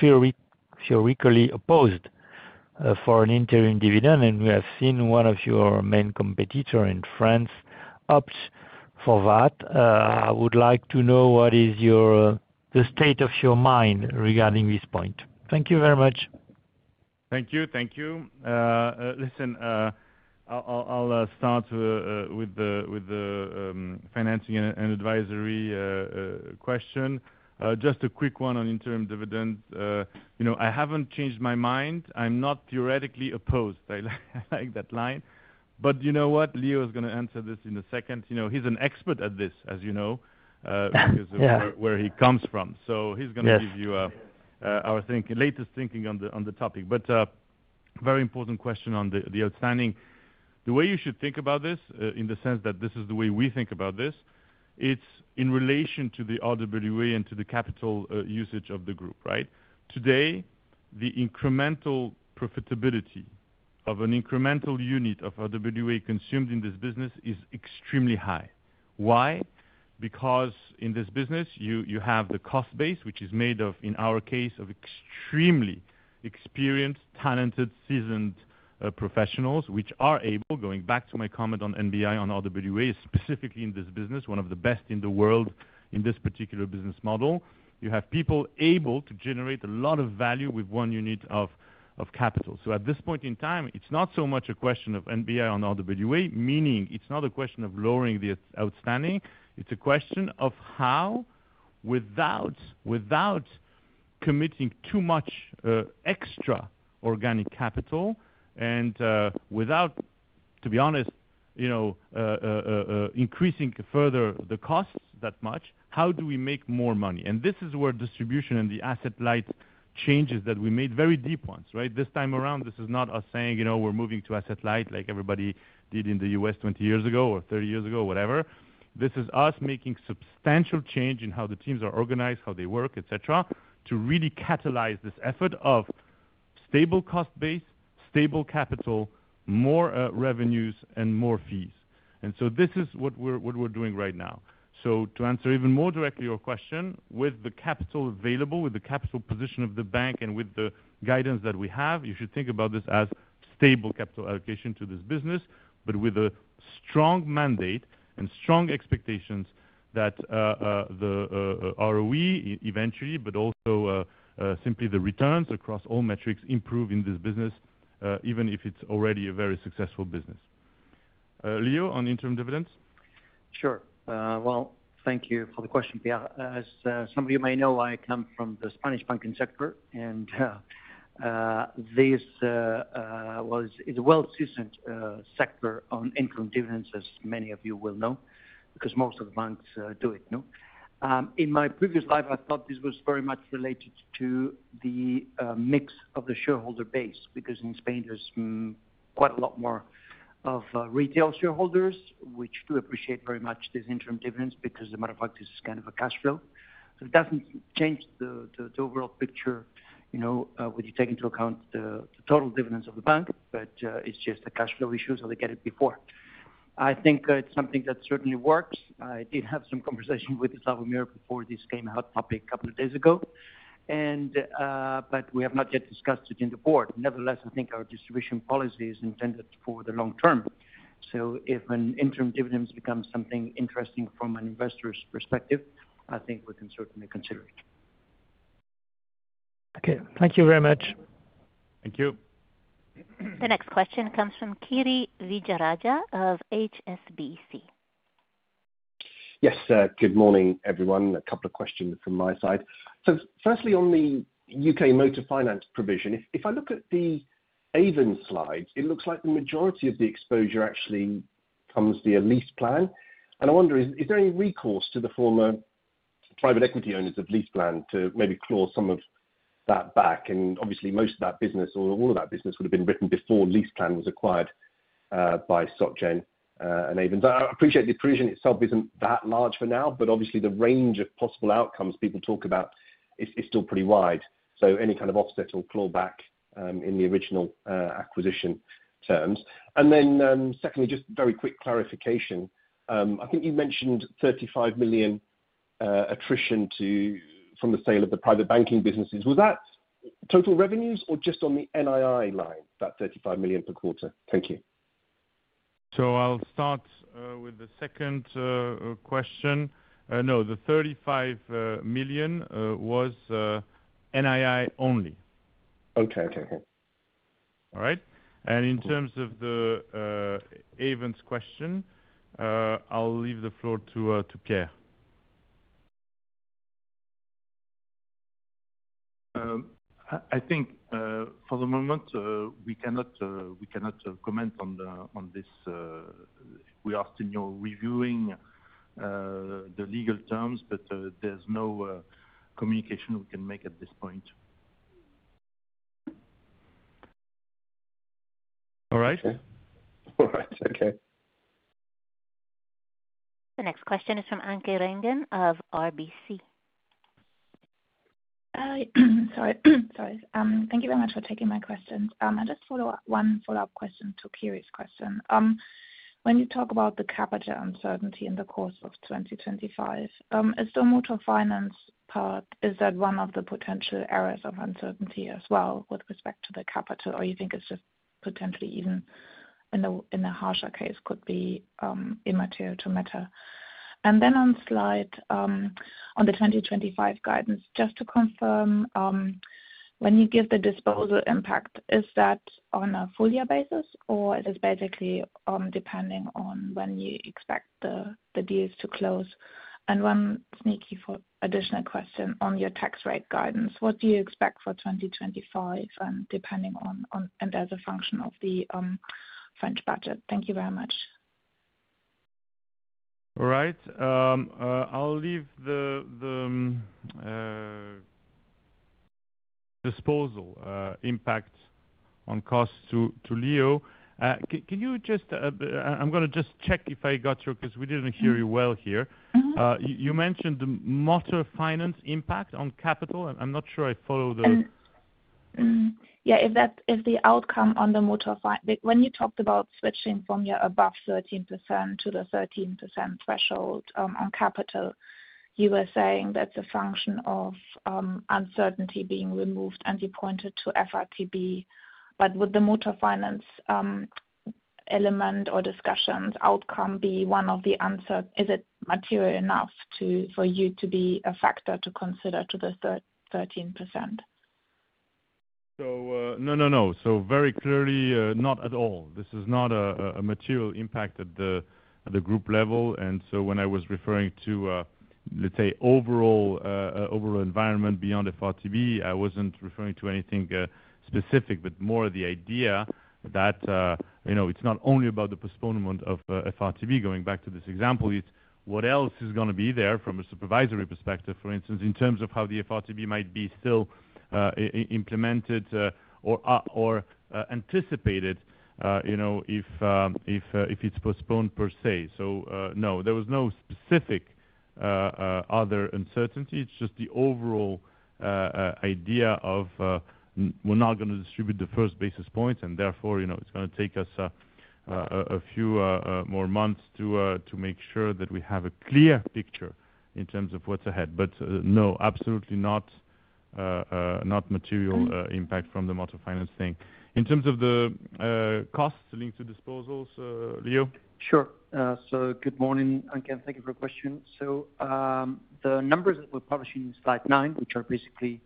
theoretically opposed for an interim dividend, and we have seen one of your main competitors in France opt for that. I would like to know what is the state of your mind regarding this point. Thank you very much. Thank you. Thank you. Listen, I'll start with the Financing and Advisory question. Just a quick one on interim dividend. I haven't changed my mind. I'm not theoretically opposed. I like that line. But you know what? Leo is going to answer this in a second. He's an expert at this, as you know, where he comes from. So he's going to give you our latest thinking on the topic. But very important question on the outstanding. The way you should think about this in the sense that this is the way we think about this, it's in relation to the RWA and to the capital usage of the group, right? Today, the incremental profitability of an incremental unit of RWA consumed in this business is extremely high. Why? Because in this business, you have the cost base, which is made of, in our case, of extremely experienced, talented, seasoned professionals, which are able, going back to my comment on NBI on RWA, specifically in this business, one of the best in the world in this particular business model, you have people able to generate a lot of value with one unit of capital. So at this point in time, it's not so much a question of NBI on RWA, meaning it's not a question of lowering the outstanding. It's a question of how, without committing too much extra organic capital and without, to be honest, increasing further the costs that much, how do we make more money? And this is where distribution and the asset light changes that we made, very deep ones, right? This time around, this is not us saying, "We're moving to asset light like everybody did in the U.S. 20 years ago or 30 years ago," whatever. This is us making substantial change in how the teams are organized, how they work, etc., to really catalyze this effort of stable cost base, stable capital, more revenues, and more fees. And so this is what we're doing right now. So to answer even more directly your question, with the capital available, with the capital position of the bank, and with the guidance that we have, you should think about this as stable capital allocation to this business, but with a strong mandate and strong expectations that the ROE eventually, but also simply the returns across all metrics improve in this business, even if it's already a very successful business. Leo, on interim dividends? Sure. Well, thank you for the question, Pierre. As some of you may know, I come from the Spanish banking sector, and this is a well-seasoned sector on interim dividends, as many of you will know, because most of the banks do it. In my previous life, I thought this was very much related to the mix of the shareholder base because in Spain, there's quite a lot more of retail shareholders, which do appreciate very much this interim dividends because, as a matter of fact, this is kind of a cash flow. So it doesn't change the overall picture when you take into account the total dividends of the bank, but it's just a cash flow issue, so they get it before. I think it's something that certainly works. I did have some conversation with Slawomir before this came out, probably a couple of days ago, but we have not yet discussed it in the board. Nevertheless, I think our distribution policy is intended for the long term. So if an interim dividend becomes something interesting from an investor's perspective, I think we can certainly consider it. Okay. Thank you very much. Thank you. The next question comes from Kiri Vijayarajah of HSBC. Yes. Good morning, everyone. A couple of questions from my side. So firstly, on the U.K. motor finance provision, if I look at the Ayvens slides, it looks like the majority of the exposure actually comes via LeasePlan. And I wonder, is there any recourse to the former private equity owners of LeasePlan to maybe claw some of that back? And obviously, most of that business, or all of that business, would have been written before LeasePlan was acquired by Société Générale and Ayvens. I appreciate the provision itself isn't that large for now, but obviously, the range of possible outcomes people talk about is still pretty wide. So any kind of offset or clawback in the original acquisition terms. And then secondly, just very quick clarification. I think you mentioned 35 million attrition from the sale of the private banking businesses. Was that total revenues or just on the NII line, that 35 million per quarter? Thank you. So I'll start with the second question. No, the 35 million was NII only. Okay. Okay. Okay. All right. And in terms of the Ayvens question, I'll leave the floor to Pierre. I think for the moment, we cannot comment on this. We are still reviewing the legal terms, but there's no communication we can make at this point. All right. All right. Okay. The next question is from Anke Reingen of RBC. Sorry. Thank you very much for taking my questions. I just follow up one follow-up question to Kiri's question. When you talk about the capital uncertainty in the course of 2025, is the motor finance part, is that one of the potential areas of uncertainty as well with respect to the capital, or you think it's just potentially even in a harsher case could be immaterial to matter? And then on slide, on the 2025 guidance, just to confirm, when you give the disposal impact, is that on a full-year basis, or is it basically depending on when you expect the deals to close? And one sneaky additional question on your tax rate guidance. What do you expect for 2025 depending on, and as a function of the French budget? Thank you very much. All right. I'll leave the disposal impact on cost to Leo. Can you just. I'm going to just check if I got you because we didn't hear you well here. You mentioned the motor finance impact on capital. I'm not sure I follow the. Yeah. If the outcome on the motor finance, when you talked about switching from your above 13% to the 13% threshold on capital, you were saying that's a function of uncertainty being removed, and you pointed to FRTB. But would the motor finance element or discussions outcome be one of the uncertain? Is it material enough for you to be a factor to consider to the 13%? So no, no, no. So very clearly, not at all. This is not a material impact at the group level. And so when I was referring to, let's say, overall environment beyond FRTB, I wasn't referring to anything specific, but more the idea that it's not only about the postponement of FRTB going back to this example. It's what else is going to be there from a supervisory perspective, for instance, in terms of how the FRTB might be still implemented or anticipated if it's postponed per se. So no, there was no specific other uncertainty. It's just the overall idea of we're not going to distribute the first basis points, and therefore, it's going to take us a few more months to make sure that we have a clear picture in terms of what's ahead. But no, absolutely not material impact from the motor finance thing. In terms of the costs linked to disposals, Leo? Sure. So good morning, Anke. Thank you for the question. So the numbers that we're publishing in slide 9, which are basically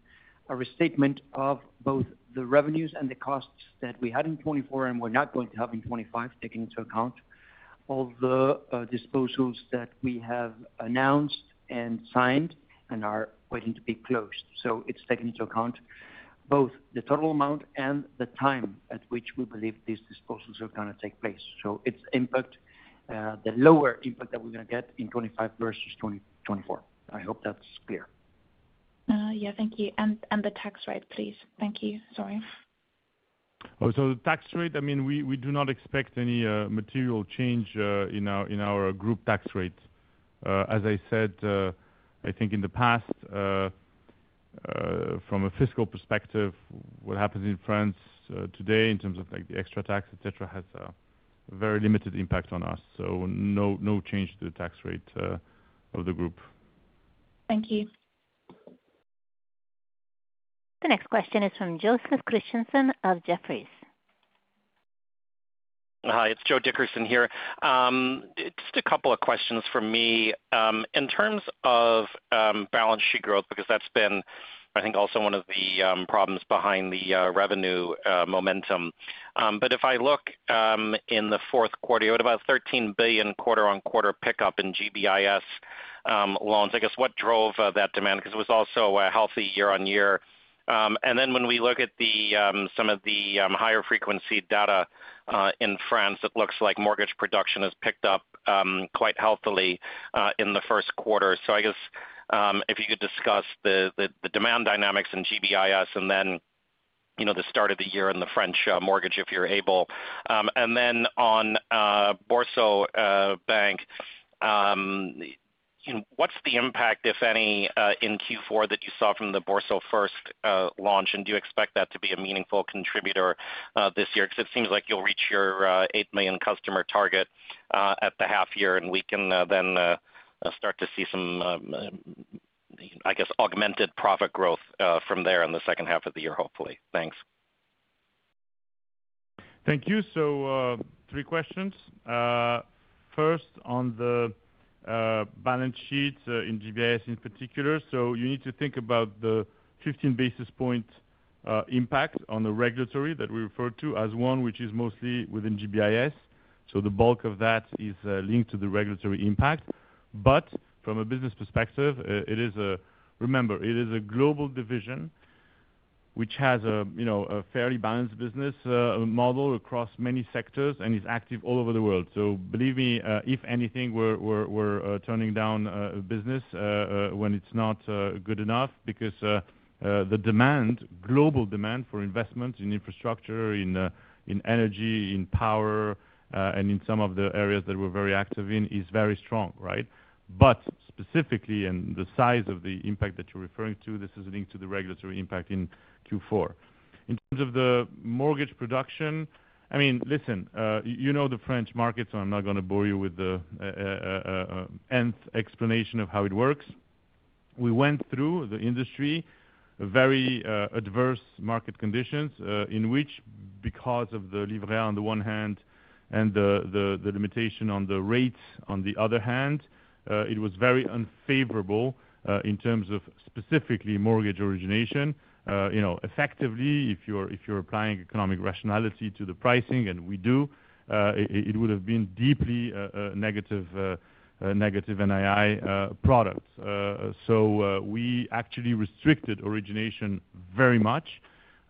a restatement of both the revenues and the costs that we had in 2024 and we're not going to have in 2025, taking into account all the disposals that we have announced and signed and are waiting to be closed. So it's taken into account both the total amount and the time at which we believe these disposals are going to take place. So it's impact, the lower impact that we're going to get in 2025 versus 2024. I hope that's clear. Yeah. Thank you. And the tax rate, please. Thank you. Sorry. So the tax rate, I mean, we do not expect any material change in our group tax rate. As I said, I think in the past, from a fiscal perspective, what happens in France today in terms of the extra tax, etc., has a very limited impact on us. So no change to the tax rate of the group. Thank you. The next question is from Joe Dickerson of Jefferies. Hi. It's Joe Dickerson here. Just a couple of questions for me. In terms of balance sheet growth, because that's been, I think, also one of the problems behind the revenue momentum. But if I look in the fourth quarter, you had about a 13 billion quarter-on-quarter pickup in GBIS loans. I guess what drove that demand? Because it was also a healthy year-on-year. And then when we look at some of the higher-frequency data in France, it looks like mortgage production has picked up quite healthily in the first quarter. I guess if you could discuss the demand dynamics in GBIS and then the start of the year in the French mortgage, if you're able. And then on BoursoBank, what's the impact, if any, in Q4 that you saw from the Bourso First launch? And do you expect that to be a meaningful contributor this year? Because it seems like you'll reach your eight million customer target at the half-year, and we can then start to see some, I guess, augmented profit growth from there in the second half of the year, hopefully. Thanks. Thank you. Three questions. First, on the balance sheet in GBIS in particular. You need to think about the 15 basis points impact on the regulatory that we refer to as one, which is mostly within GBIS. The bulk of that is linked to the regulatory impact. But from a business perspective, remember, it is a global division which has a fairly balanced business model across many sectors and is active all over the world. So believe me, if anything, we're turning down business when it's not good enough because the demand, global demand for investments in infrastructure, in energy, in power, and in some of the areas that we're very active in, is very strong, right? But specifically, and the size of the impact that you're referring to, this is linked to the regulatory impact in Q4. In terms of the mortgage production, I mean, listen, you know the French markets, and I'm not going to bore you with the Nth explanation of how it works. We went through the industry, very adverse market conditions in which, because of the Livret A on the one hand and the limitation on the rates on the other hand, it was very unfavorable in terms of specifically mortgage origination. Effectively, if you're applying economic rationality to the pricing, and we do, it would have been deeply negative NII products. So we actually restricted origination very much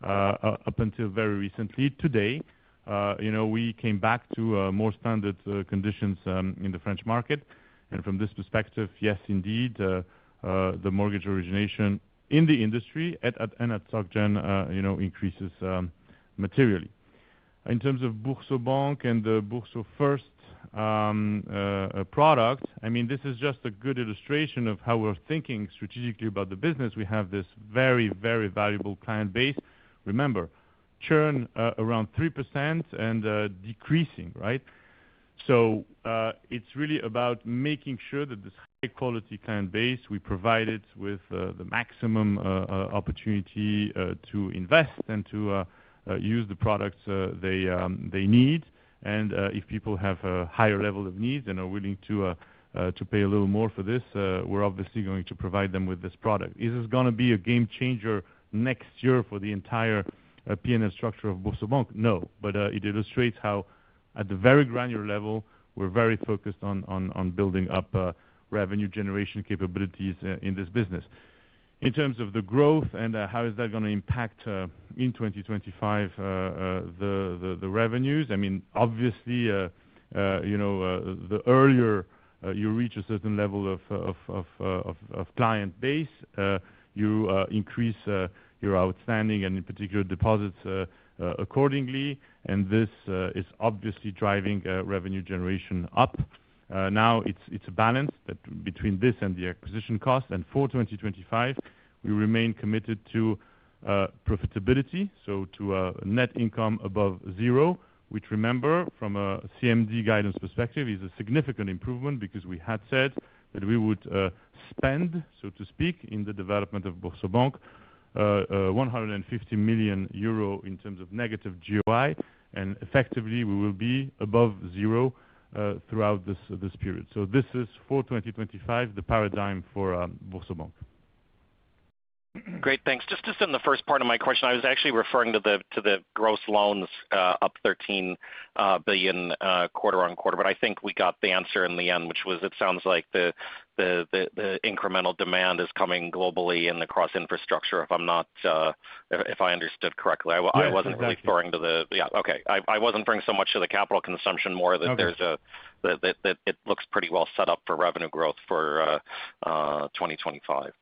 up until very recently. Today, we came back to more standard conditions in the French market. And from this perspective, yes, indeed, the mortgage origination in the industry and at Société Générale increases materially. In terms of BoursoBank and the Bourso First product, I mean, this is just a good illustration of how we're thinking strategically about the business. We have this very, very valuable client base. Remember, churn around 3% and decreasing, right? It's really about making sure that this high-quality client base, we provide it with the maximum opportunity to invest and to use the products they need. And if people have a higher level of needs and are willing to pay a little more for this, we're obviously going to provide them with this product. Is this going to be a game changer next year for the entire P&L structure of BoursoBank? No. But it illustrates how, at the very granular level, we're very focused on building up revenue generation capabilities in this business. In terms of the growth and how is that going to impact in 2025 the revenues, I mean, obviously, the earlier you reach a certain level of client base, you increase your outstanding and, in particular, deposits accordingly. And this is obviously driving revenue generation up. Now, it's a balance between this and the acquisition cost. And for 2025, we remain committed to profitability, so to net income above zero, which, remember, from a CMD guidance perspective, is a significant improvement because we had said that we would spend, so to speak, in the development of BoursoBank, 150 million euro in terms of negative GOI. And effectively, we will be above zero throughout this period. So this is, for 2025, the paradigm for BoursoBank. Great. Thanks. Just to second the first part of my question, I was actually referring to the gross loans up 13 billion quarter on quarter. But I think we got the answer in the end, which was, it sounds like the incremental demand is coming globally and across infrastructure, if I understood correctly. I wasn't really throwing to the—yeah. Okay. I wasn't throwing so much to the capital consumption, more that it looks pretty well set up for revenue growth for 2025.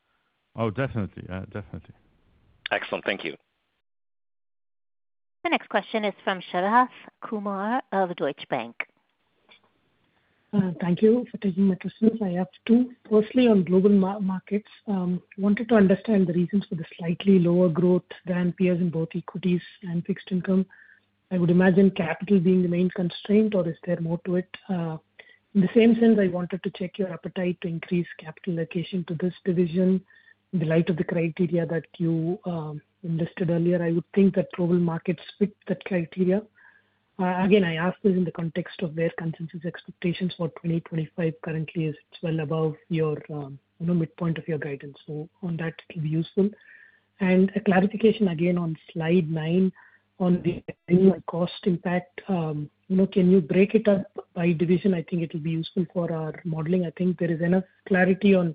Oh, definitely. Definitely. Excellent. Thank you. The next question is from Sharath Kumar of Deutsche Bank. Thank you for taking my questions. I have two, mostly on global markets. I wanted to understand the reasons for the slightly lower growth than peers in both equities and fixed income. I would imagine capital being the main constraint, or is there more to it? In the same sense, I wanted to check your appetite to increase capital allocation to this division in the light of the criteria that you listed earlier. I would think that global markets fit that criteria. Again, I ask this in the context of their consensus expectations for 2025. Currently, it's well above your midpoint of your guidance. So on that, it will be useful. A clarification again on slide 9 on the annual cost impact. Can you break it up by division? I think it will be useful for our modeling. I think there is enough clarity on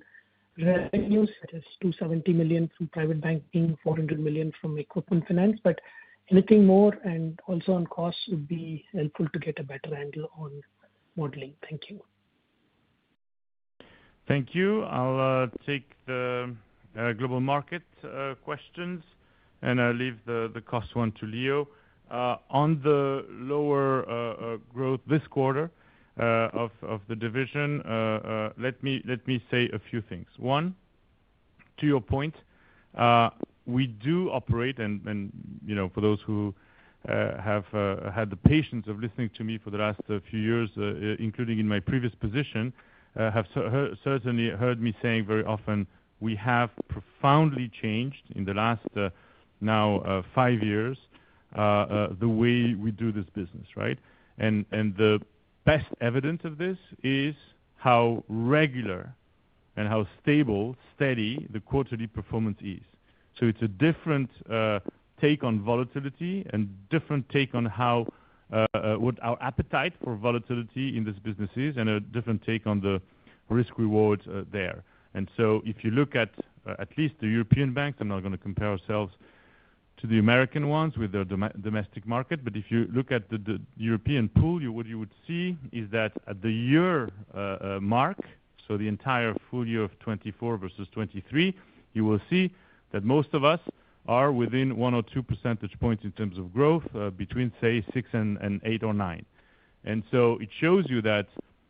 revenues, such as 270 million from private banking, 400 million from equipment finance. But anything more, and also on costs, would be helpful to get a better handle on modeling. Thank you. Thank you. I'll take the global market questions and leave the cost one to Leo. On the lower growth this quarter of the division, let me say a few things. One, to your point, we do operate, and for those who have had the patience of listening to me for the last few years, including in my previous position, have certainly heard me saying very often, "We have profoundly changed in the last now five years the way we do this business," right? The best evidence of this is how regular and how stable, steady the quarterly performance is. It's a different take on volatility and a different take on what our appetite for volatility in this business is and a different take on the risk-reward there. If you look at least the European banks, I'm not going to compare ourselves to the American ones with their domestic market, but if you look at the European pool, what you would see is that at the year mark, so the entire full year of 2024 versus 2023, you will see that most of us are within one or two percentage points in terms of growth between, say, six and eight or nine. And so it shows you that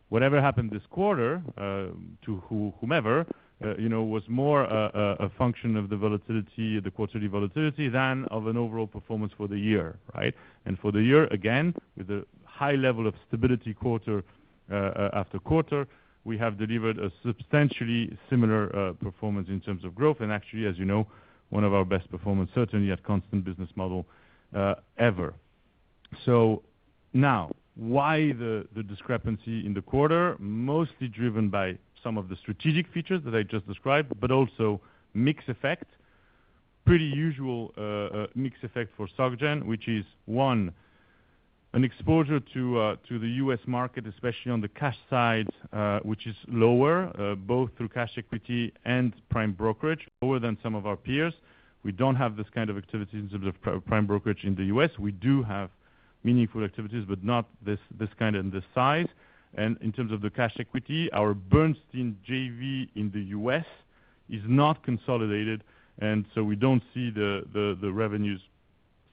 whatever happened this quarter to whomever was more a function of the volatility, the quarterly volatility, than of an overall performance for the year, right? And for the year, again, with a high level of stability quarter after quarter, we have delivered a substantially similar performance in terms of growth and actually, as you know, one of our best performance, certainly at constant business model ever. So now, why the discrepancy in the quarter? Mostly driven by some of the strategic features that I just described, but also mixed effect, pretty usual mixed effect for SG, which is, one, an exposure to the U.S. market, especially on the cash side, which is lower, both through cash equity and prime brokerage, lower than some of our peers. We don't have this kind of activity in terms of prime brokerage in the U.S. We do have meaningful activities, but not this kind and this size, and in terms of the cash equity, our Bernstein JV in the U.S. is not consolidated, and so we don't see the revenues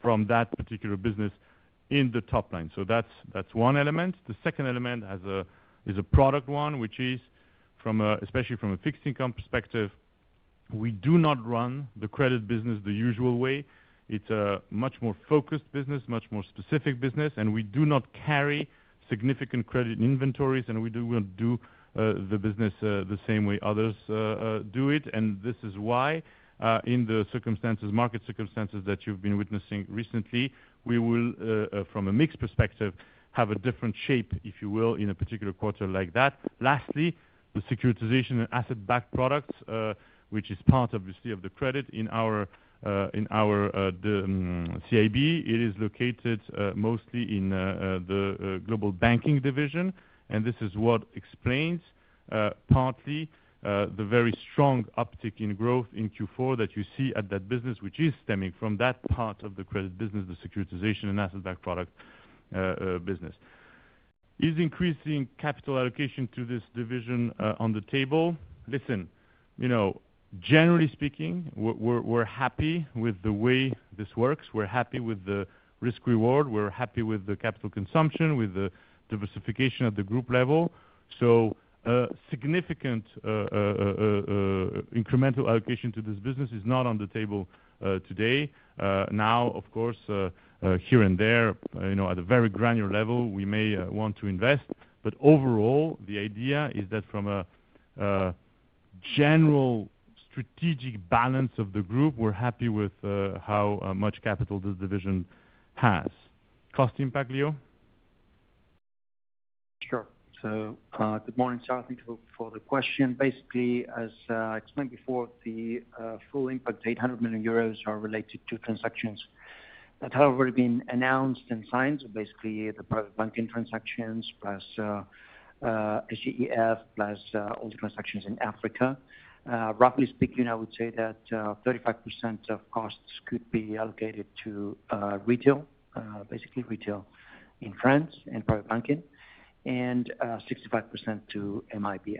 from that particular business in the top line, so that's one element. The second element is a product one, which is, especially from a fixed income perspective, we do not run the credit business the usual way. It's a much more focused business, much more specific business, and we do not carry significant credit inventories, and we don't do the business the same way others do it, and this is why, in the circumstances, market circumstances that you've been witnessing recently, we will, from a mixed perspective, have a different shape, if you will, in a particular quarter like that. Lastly, the securitization and asset-backed products, which is part, obviously, of the credit in our CIB, it is located mostly in the global banking division. And this is what explains, partly, the very strong uptick in growth in Q4 that you see at that business, which is stemming from that part of the credit business, the securitization and asset-backed product business. Is increasing capital allocation to this division on the table? Listen, generally speaking, we're happy with the way this works. We're happy with the risk-reward. We're happy with the capital consumption, with the diversification at the group level. So significant incremental allocation to this business is not on the table today. Now, of course, here and there, at a very granular level, we may want to invest. But overall, the idea is that from a general strategic balance of the group, we're happy with how much capital this division has. Cost impact, Leo? Sure. So good morning, Sir. Thank you for the question. Basically, as I explained before, the full impact of 800 million euros are related to transactions that have already been announced and signed, so basically the private banking transactions plus SGEF plus all the transactions in Africa. Roughly speaking, I would say that 35% of costs could be allocated to retail, basically retail in France and private banking, and 65% to GBIS.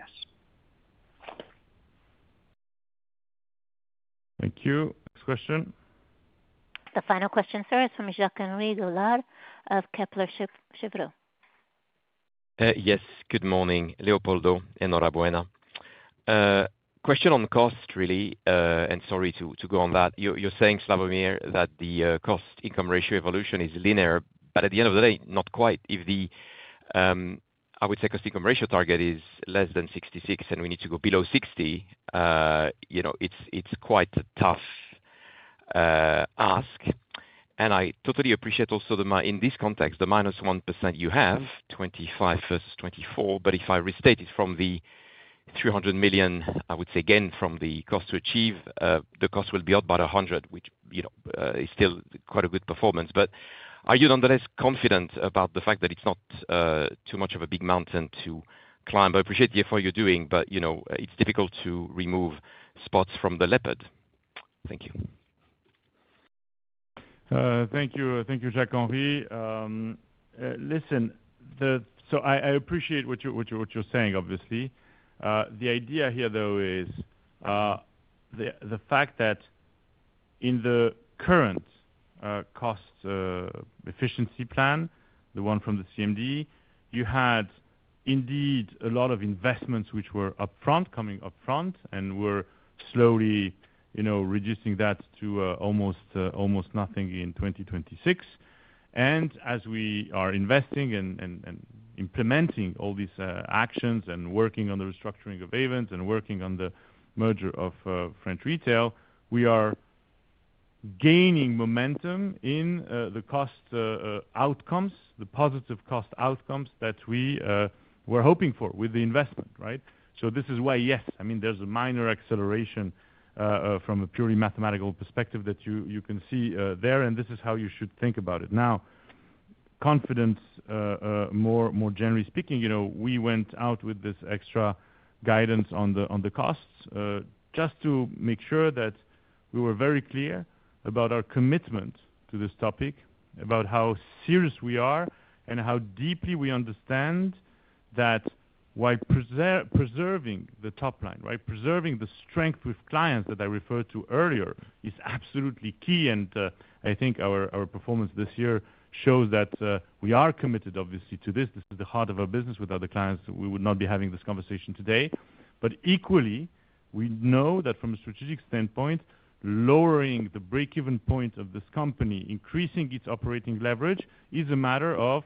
Thank you. Next question. The final question, sir, is from Jacques-Henri Gaulard of Kepler Cheuvreux. Yes. Good morning, Leopoldo, and enhorabuena. Question on cost, really, and sorry to go on that. You're saying, Slawomir, that the cost-income ratio evolution is linear, but at the end of the day, not quite. If the, I would say, cost-income ratio target is less than 66% and we need to go below 60%, it's quite a tough ask. I totally appreciate also in this context the -1% you have, 2025 versus 2024, but if I restate it from the 300 million, I would say again, from the cost to achieve, the cost will be up by 100 million, which is still quite a good performance. But are you nonetheless confident about the fact that it's not too much of a big mountain to climb? I appreciate the effort you're doing, but it's difficult to remove spots from the leopard. Thank you. Thank you, Jacques-Henri. Listen, so I appreciate what you're saying, obviously. The idea here, though, is the fact that in the current cost efficiency plan, the one from the CMD, you had indeed a lot of investments which were upfront, coming upfront, and were slowly reducing that to almost nothing in 2026, and as we are investing and implementing all these actions and working on the restructuring of Ayvens and working on the merger of French retail, we are gaining momentum in the cost outcomes, the positive cost outcomes that we were hoping for with the investment, right, so this is why, yes, I mean, there's a minor acceleration from a purely mathematical perspective that you can see there, and this is how you should think about it. Now, confidence, more generally speaking, we went out with this extra guidance on the costs just to make sure that we were very clear about our commitment to this topic, about how serious we are and how deeply we understand that while preserving the top line, right, preserving the strength with clients that I referred to earlier is absolutely key. And I think our performance this year shows that we are committed, obviously, to this. This is the heart of our business. Without the clients, we would not be having this conversation today. But equally, we know that from a strategic standpoint, lowering the break-even point of this company, increasing its operating leverage, is a matter of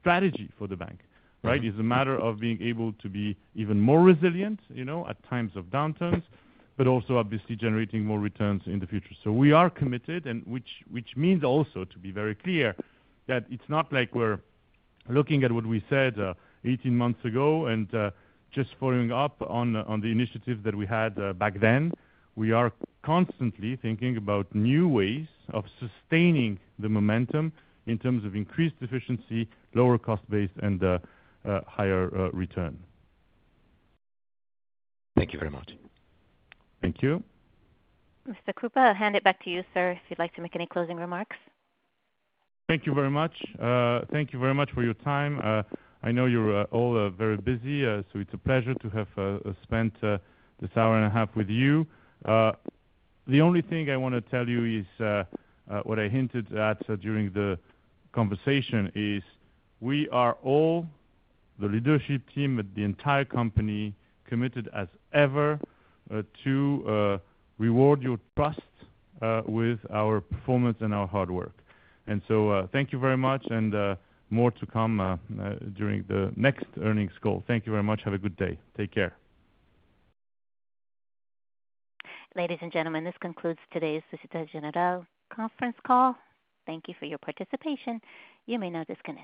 strategy for the bank, right? It's a matter of being able to be even more resilient at times of downturns, but also, obviously, generating more returns in the future. So we are committed, which means also to be very clear that it's not like we're looking at what we said 18 months ago and just following up on the initiatives that we had back then. We are constantly thinking about new ways of sustaining the momentum in terms of increased efficiency, lower cost base, and higher return. Thank you very much. Thank you. Mr. Krupa, I'll hand it back to you, sir, if you'd like to make any closing remarks. Thank you very much. Thank you very much for your time. I know you're all very busy, so it's a pleasure to have spent this hour and a half with you. The only thing I want to tell you is what I hinted at during the conversation is we are all, the leadership team at the entire company, committed as ever to reward your trust with our performance and our hard work, and so thank you very much, and more to come during the next earnings call. Thank you very much. Have a good day. Take care. Ladies and gentlemen, this concludes today's Société Générale conference call. Thank you for your participation. You may now disconnect.